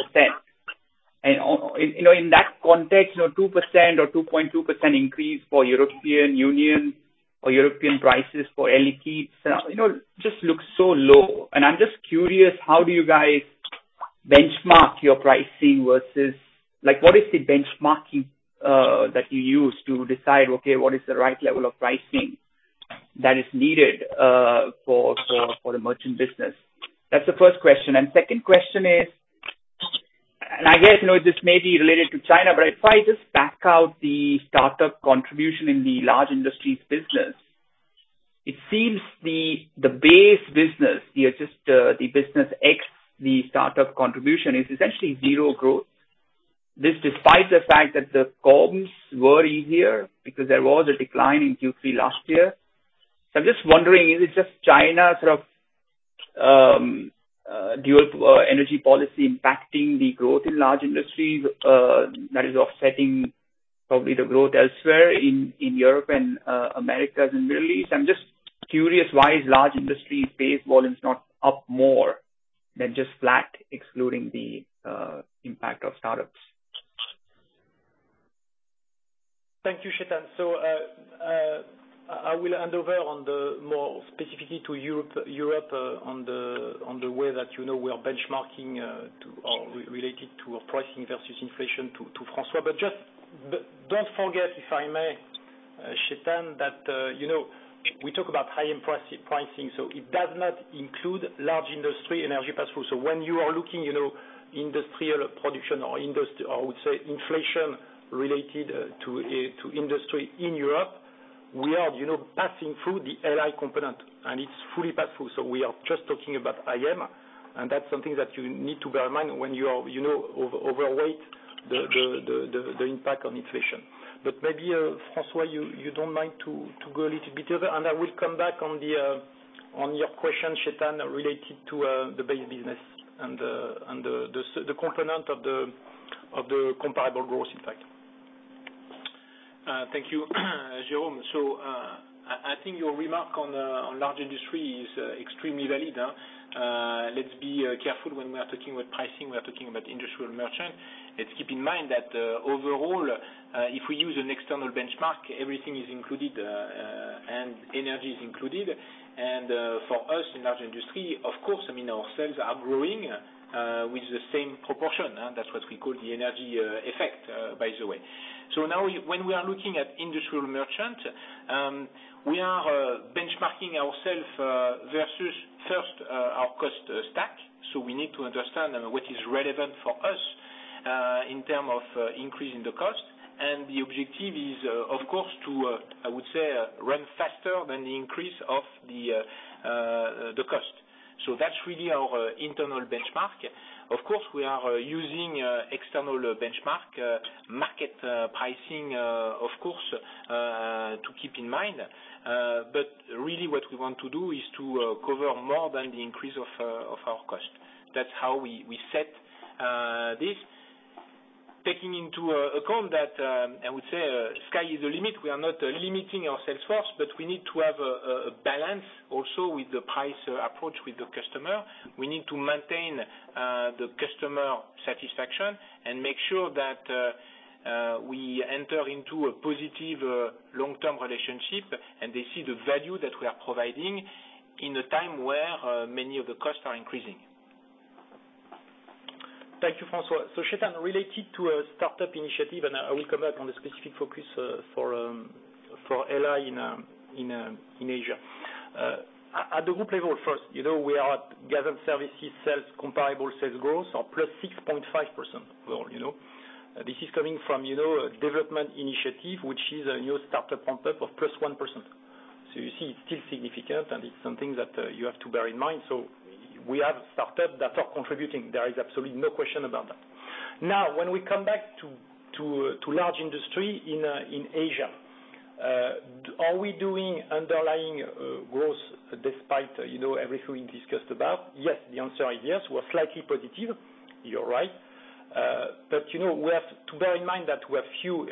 In that context, 2% or 2.2% increase for European Union or European prices for Air Liquide, just looks so low. I'm just curious, how do you guys benchmark your pricing, what is the benchmarking that you use to decide, okay, what is the right level of pricing that is needed for the merchant business? That's the first question. Second question is, and I guess this may be related to China, but if I just back out the startup contribution in the large industries business, it seems the base business, just the business ex, the startup contribution, is essentially zero growth. This despite the fact that the comps were easier because there was a decline in Q3 last year. I'm just wondering, is it just China sort of dual energy policy impacting the growth in large industries that is offsetting probably the growth elsewhere in Europe and Americas and Middle East? I'm just curious why is large industry base volumes not up more than just flat, excluding the impact of startups? Thank you, Chetan. I will hand over on the more specifically to Europe on the way that we are benchmarking related to our pricing versus inflation to François. Just don't forget, if I may, Chetan, that we talk about high-end pricing, so it does not include large industry energy pass-through. When you are looking industrial production or industry, I would say inflation related to industry in Europe, we are passing through the LI component, and it's fully pass-through. We are just talking about IM, and that's something that you need to bear in mind when you overweight the impact on inflation. Maybe, François, you don't mind to go a little bit further, and I will come back on your question, Chetan, related to the base business and the component of the comparable growth impact Thank you, Jérôme. I think your remark on large industry is extremely valid. Let's be careful when we are talking about pricing, we are talking about industrial merchant. Let's keep in mind that overall, if we use an external benchmark, everything is included, and energy is included. For us in large industry, of course, our sales are growing with the same proportion. That's what we call the energy effect, by the way. Now when we are looking at industrial merchant, we are benchmarking ourself versus first our cost stack. We need to understand what is relevant for us in terms of increasing the cost and the objective is, of course, to, I would say, run faster than the increase of the internal benchmark. Of course, we are using external benchmark, market pricing, of course, to keep in mind. Really what we want to do is to cover more than the increase of our cost. That's how we set this, taking into account that, I would say, sky is the limit. We are not limiting our sales force, but we need to have a balance also with the price approach with the customer. We need to maintain the customer satisfaction and make sure that we enter into a positive long-term relationship, and they see the value that we are providing in a time where many of the costs are increasing. Thank you, François. Chetan, related to a startup initiative, and I will come back on the specific focus for LI in Asia. At the group level first, we are at Gas & Services comparable sales growth of +6.5% growth. This is coming from a development initiative, which is a new startup ramp-up of +1%. You see it's still significant, and it's something that you have to bear in mind. We have startups that are contributing. There is absolutely no question about that. When we come back to large industry in Asia, are we doing underlying growth despite everything we discussed about? Yes, the answer is yes. We're slightly positive, you're right. We have to bear in mind that we have few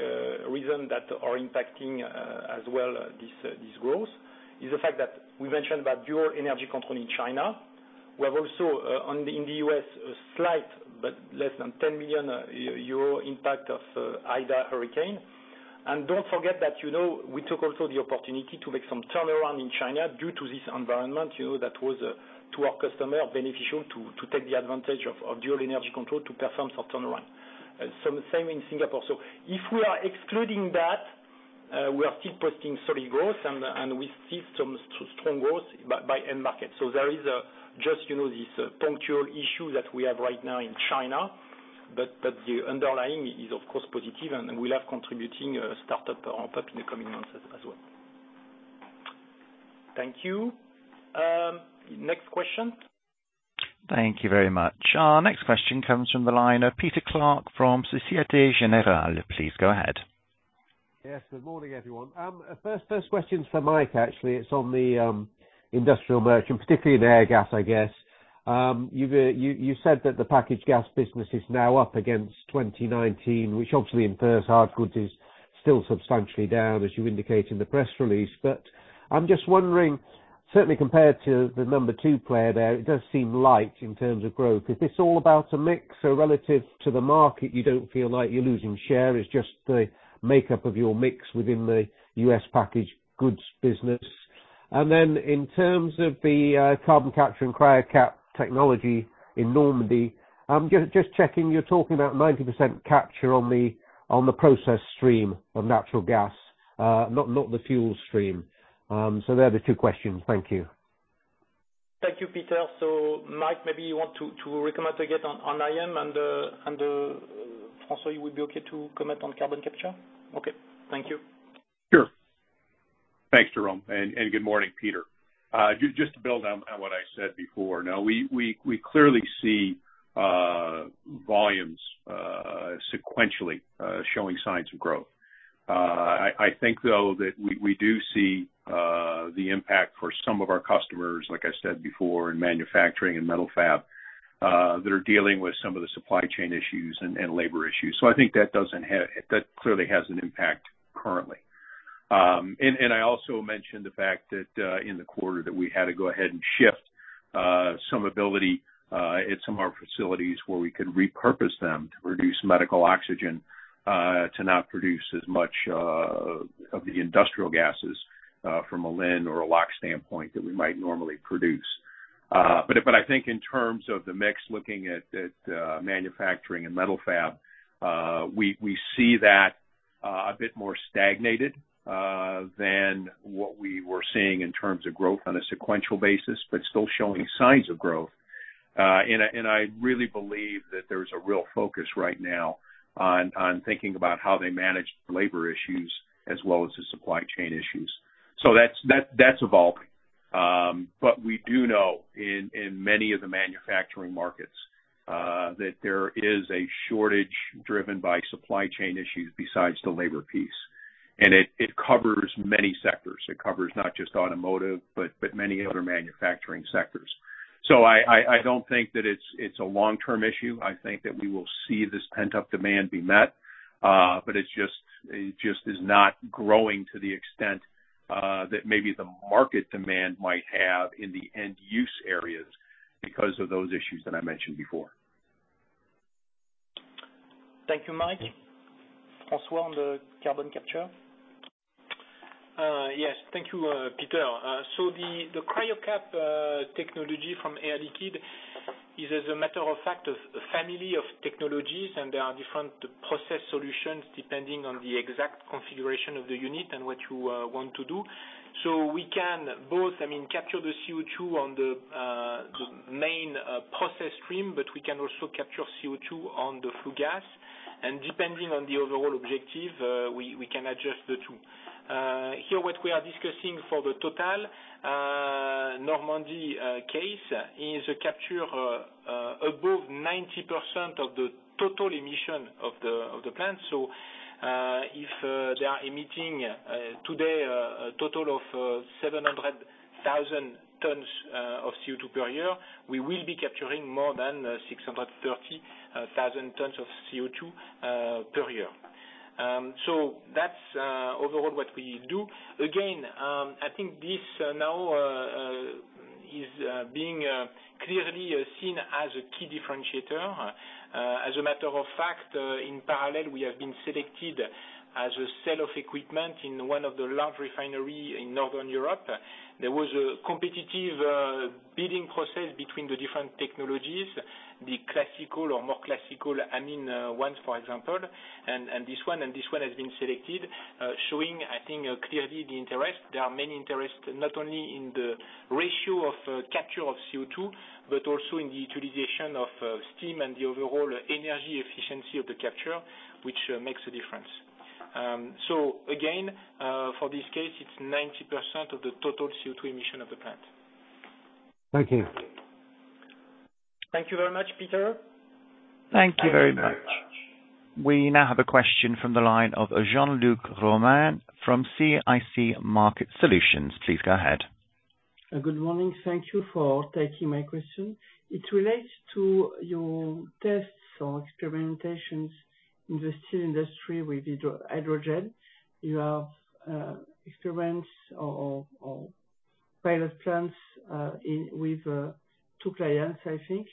reasons that are impacting as well this growth, is the fact that we mentioned about dual energy control in China. We have also in the U.S., a slight, but less than 10 million euro impact of Hurricane Ida. Don't forget that we took also the opportunity to make some turnaround in China due to this environment, that was to our customer, beneficial to take the advantage of dual energy control to perform some turnaround. Same in Singapore. If we are excluding that, we are still posting steady growth and we see some strong growth by end market. There is just this punctual issue that we have right now in China, but the underlying is of course positive and will have contributing startup, ramp-up in the coming months as well. Thank you. Next question. Thank you very much. Our next question comes from the line of Peter Clark from Societe Generale. Please go ahead. Yes. Good morning, everyone. First question's for Mike, actually. It's on the industrial merchant, particularly in Airgas, I guess. You said that the packaged gas business is now up against 2019, which obviously infers hardgoods is still substantially down as you indicate in the press release. I'm just wondering, certainly compared to the number two player there, it does seem light in terms of growth. Is this all about a mix? Relative to the market, you don't feel like you're losing share, it's just the makeup of your mix within the U.S. packaged goods business? In terms of the carbon capture and Cryocap technology in Normandy, just checking, you're talking about 90% capture on the process stream of natural gas, not the fuel stream. They're the two questions. Thank you. Thank you, Peter. Mike, maybe you want to comment again on IM, and François, you would be okay to comment on carbon capture? Okay. Thank you. Sure. Thanks, Jérôme, and good morning, Peter. Just to build on what I said before. We clearly see volumes sequentially showing signs of growth. I think, though, that we do see the impact for some of our customers, like I said before, in manufacturing and metal fab, that are dealing with some of the supply chain issues and labor issues. I think that clearly has an impact currently. I also mentioned the fact that in the quarter that we had to go ahead and shift some ability at some of our facilities where we could repurpose them to produce medical oxygen, to not produce as much of the industrial gases, from a LIN or a LAR standpoint than we might normally produce. I think in terms of the mix, looking at manufacturing and metal fab, we see that a bit more stagnated than what we were seeing in terms of growth on a sequential basis, but still showing signs of growth. I really believe that there's a real focus right now on thinking about how they manage labor issues as well as the supply chain issues. That's evolved. We do know in many of the manufacturing markets, that there is a shortage driven by supply chain issues besides the labor piece, and it covers many sectors. It covers not just automotive, but many other manufacturing sectors. I don't think that it's a long-term issue. I think that we will see this pent-up demand be met. It just is not growing to the extent that maybe the market demand might have in the end-use areas because of those issues that I mentioned before. Thank you, Mike. François, on the carbon capture. Yes. Thank you, Peter. The Cryocap technology from Air Liquide is as a matter of fact, a family of technologies, and there are different process solutions depending on the exact configuration of the unit and what you want to do. We can both capture the CO2 on the main process stream, but we can also capture CO2 on the flue gas. Depending on the overall objective, we can adjust the two. Here what we are discussing for the TotalEnergies Normandy case is a capture above 90% of the total emission of the plant. If they are emitting today a total of 700,000 tons of CO2 per year, we will be capturing more than 630,000 tons of CO2 per year. That's overall what we do. Again, I think this now is being clearly seen as a key differentiator. As a matter of fact, in parallel, we have been selected as a set of equipment in one of the large refinery in Northern Europe. There was a competitive bidding process between the different technologies, the classical or more classical amine ones, for example, and this one has been selected, showing, I think, clearly the interest. There are many interests, not only in the ratio of capture of CO2, but also in the utilization of steam and the overall energy efficiency of the capture, which makes a difference. Again, for this case, it's 90% of the total CO2 emission of the plant. Thank you. Thank you very much, Peter. Thank you very much. We now have a question from the line of Jean-Luc Romain from CIC Market Solutions. Please go ahead. Good morning. Thank you for taking my question. It relates to your tests or experimentations in the steel industry with hydrogen. You have experiments or pilot plants with two clients, I think.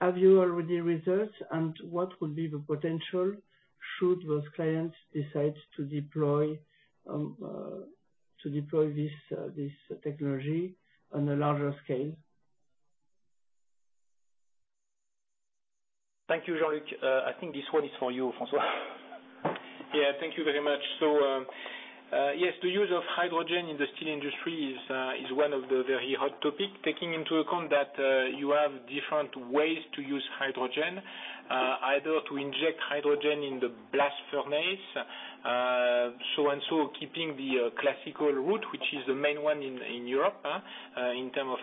Have you already results and what would be the potential should those clients decide to deploy this technology on a larger scale? Thank you, Jean-Luc. I think this one is for you, François. Yeah. Thank you very much. Yes, the use of hydrogen in the steel industry is one of the very hot topic, taking into account that you have different ways to use hydrogen, either to inject hydrogen in the blast furnace, so and so keeping the classical route, which is the main one in Europe, in term of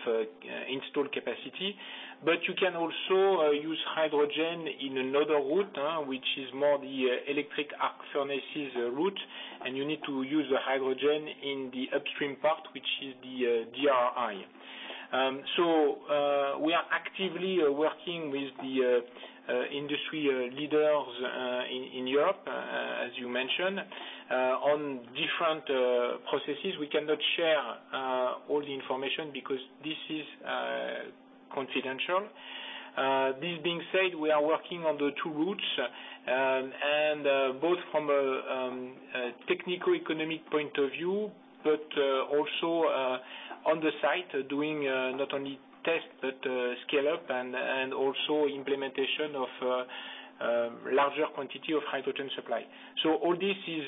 installed capacity. You can also use hydrogen in another route, which is more the electric arc furnaces route, and you need to use the hydrogen in the upstream part, which is the DRI. We are actively working with the industry leaders in Europe, as you mentioned, on different processes. We cannot share all the information because this is confidential. This being said, we are working on the two routes, both from a technical economic point of view, but also on the site doing not only tests but scale-up and also implementation of larger quantity of hydrogen supply. All this is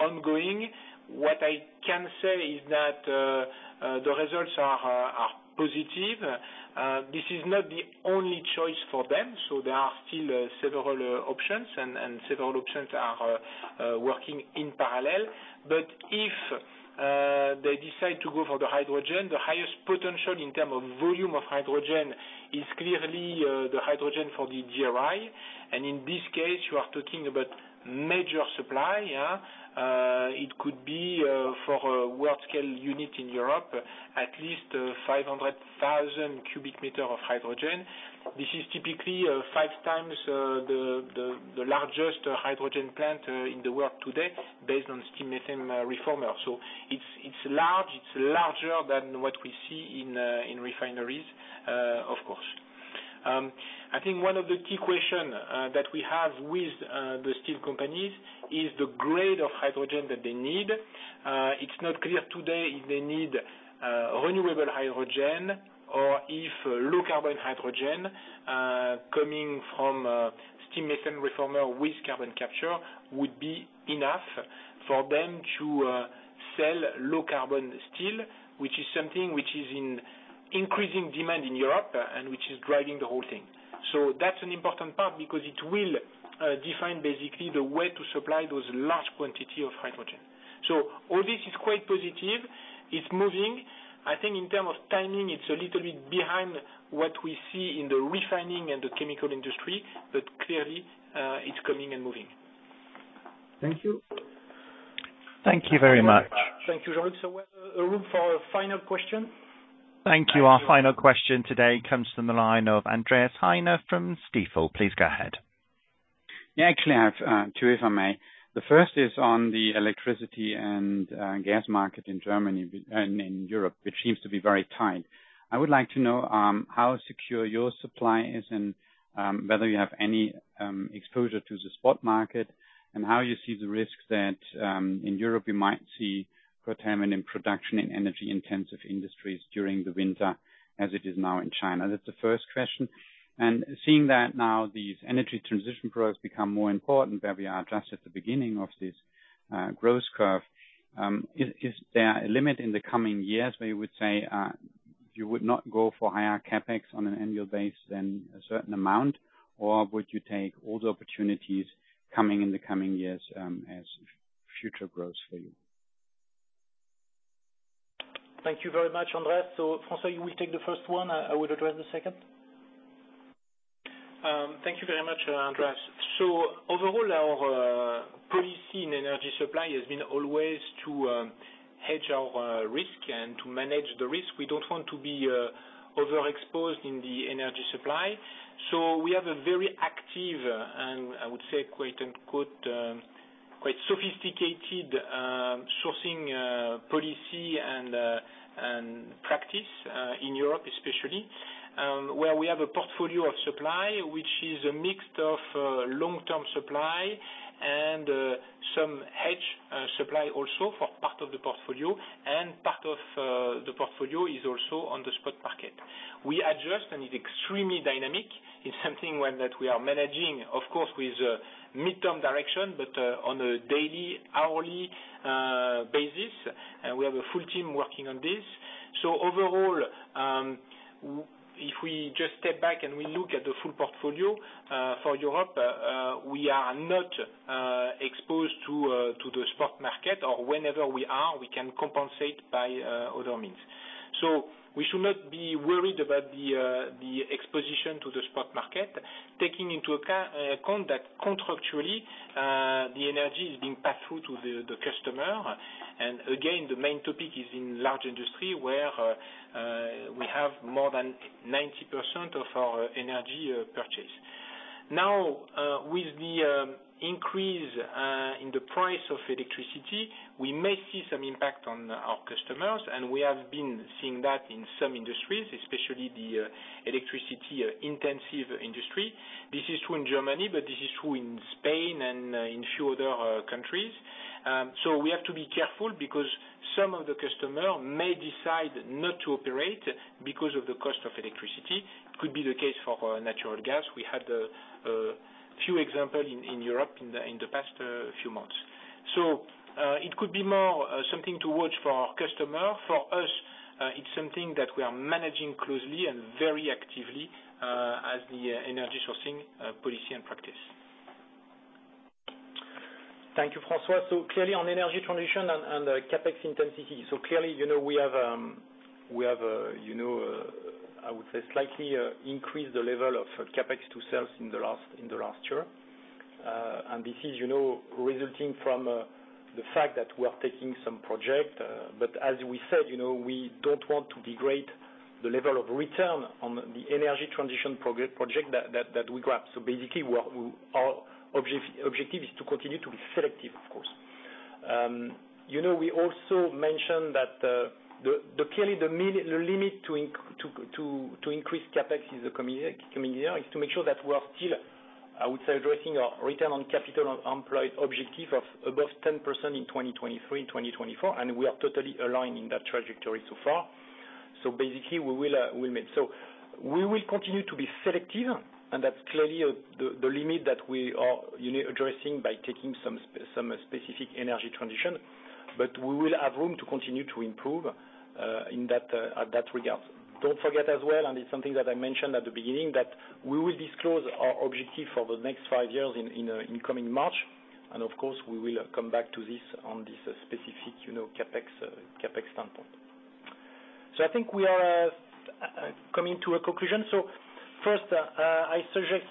ongoing. What I can say is that the results are positive. This is not the only choice for them, so there are still several options and several options are working in parallel. If they decide to go for the hydrogen, the highest potential in term of volume of hydrogen is clearly the hydrogen for the DRI. In this case, you are talking about major supply. It could be for a world scale unit in Europe, at least 500,000 cubic meter of hydrogen. This is typically five times the largest hydrogen plant in the world today based on steam methane reformer. It's larger than what we see in refineries, of course. I think one of the key question that we have with the steel companies is the grade of hydrogen that they need. It's not clear today if they need renewable hydrogen or if low carbon hydrogen coming from steam methane reformer with carbon capture would be enough for them to sell low carbon steel, which is something which is in increasing demand in Europe and which is driving the whole thing. That's an important part because it will define basically the way to supply those large quantity of hydrogen. All this is quite positive. It's moving. I think in terms of timing, it's a little bit behind what we see in the refining and the chemical industry, but clearly, it's coming and moving. Thank you. Thank you very much. Thank you, Jean-Luc. We have room for a final question. Thank you. Our final question today comes from the line of Andreas Heine from Stifel. Please go ahead. Yeah. Actually, I have two, if I may. The first is on the electricity and gas market in Germany and in Europe, which seems to be very tight. I would like to know how secure your supply is and whether you have any exposure to the spot market and how you see the risks that in Europe you might see curtailment in production in energy intensive industries during the winter, as it is now in China. That's the first question. Seeing that now these energy transition growth become more important, where we are just at the beginning of this growth curve, is there a limit in the coming years where you would say you would not go for higher CapEx on an annual basis than a certain amount, or would you take all the opportunities coming in the coming years as future growth for you? Thank you very much, Andreas. François, you will take the first one, I will address the second. Thank you very much, Andreas. Overall, our policy in energy supply has been always to hedge our risk and to manage the risk. We don't want to be overexposed in the energy supply. We have a very active, and I would say, quite sophisticated sourcing policy and practice in Europe especially, where we have a portfolio of supply, which is a mix of long-term supply and some hedge supply also for part of the portfolio. Part of the portfolio is also on the spot market. We adjust, and it's extremely dynamic. It's something that we are managing, of course, with mid-term direction, but on a daily, hourly basis. We have a full team working on this. Overall, if we just step back and we look at the full portfolio for Europe, we are not exposed to the spot market or whenever we are, we can compensate by other means. We should not be worried about the exposure to the spot market, taking into account that contractually, the energy is being passed through to the customer. Again, the main topic is in large industry, where we have more than 90% of our energy purchase. Now, with the increase in the price of electricity, we may see some impact on our customers, and we have been seeing that in some industries, especially the electricity-intensive industry. This is true in Germany, but this is true in Spain and in a few other countries. We have to be careful because some of the customers may decide not to operate because of the cost of electricity. It could be the case for natural gas. We had a few examples in Europe in the past few months. It could be more something to watch for our customer. For us, it's something that we are managing closely and very actively as the energy sourcing policy and practice. Thank you, François. Clearly on energy transition and CapEx intensity. Clearly, we have, I would say, slightly increased the level of CapEx to sales in the last year. This is resulting from the fact that we are taking some project. As we said, we don't want to degrade the level of return on the energy transition project that we grab. Basically, our objective is to continue to be selective, of course. We also mentioned that clearly the limit to increase CapEx is coming here, is to make sure that we are still, I would say, addressing our return on capital employed objective of above 10% in 2023, 2024, and we are totally aligned in that trajectory so far. Basically, we will meet. We will continue to be selective, and that's clearly the limit that we are addressing by taking some specific energy transition. We will have room to continue to improve in that regard. Don't forget as well, it's something that I mentioned at the beginning, that we will disclose our objective for the next five years in coming March. Of course, we will come back to this on this specific CapEx standpoint. I think we are coming to a conclusion. First, I suggest,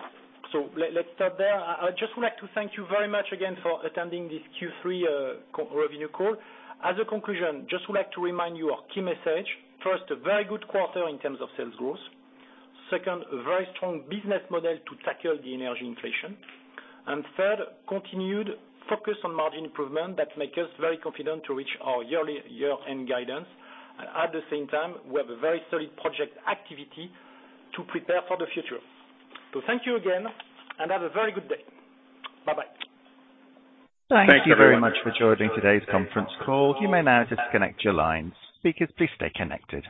let's start there. I just would like to thank you very much again for attending this Q3 revenue call. As a conclusion, just would like to remind you our key message. First, a very good quarter in terms of sales growth. Second, a very strong business model to tackle the energy inflation. Third, continued focus on margin improvement that make us very confident to reach our yearly year-end guidance. At the same time, we have a very solid project activity to prepare for the future. Thank you again. Have a very good day. Bye-bye. Thank you very much for joining today's conference call. You may now disconnect your lines. Speakers, please stay connected.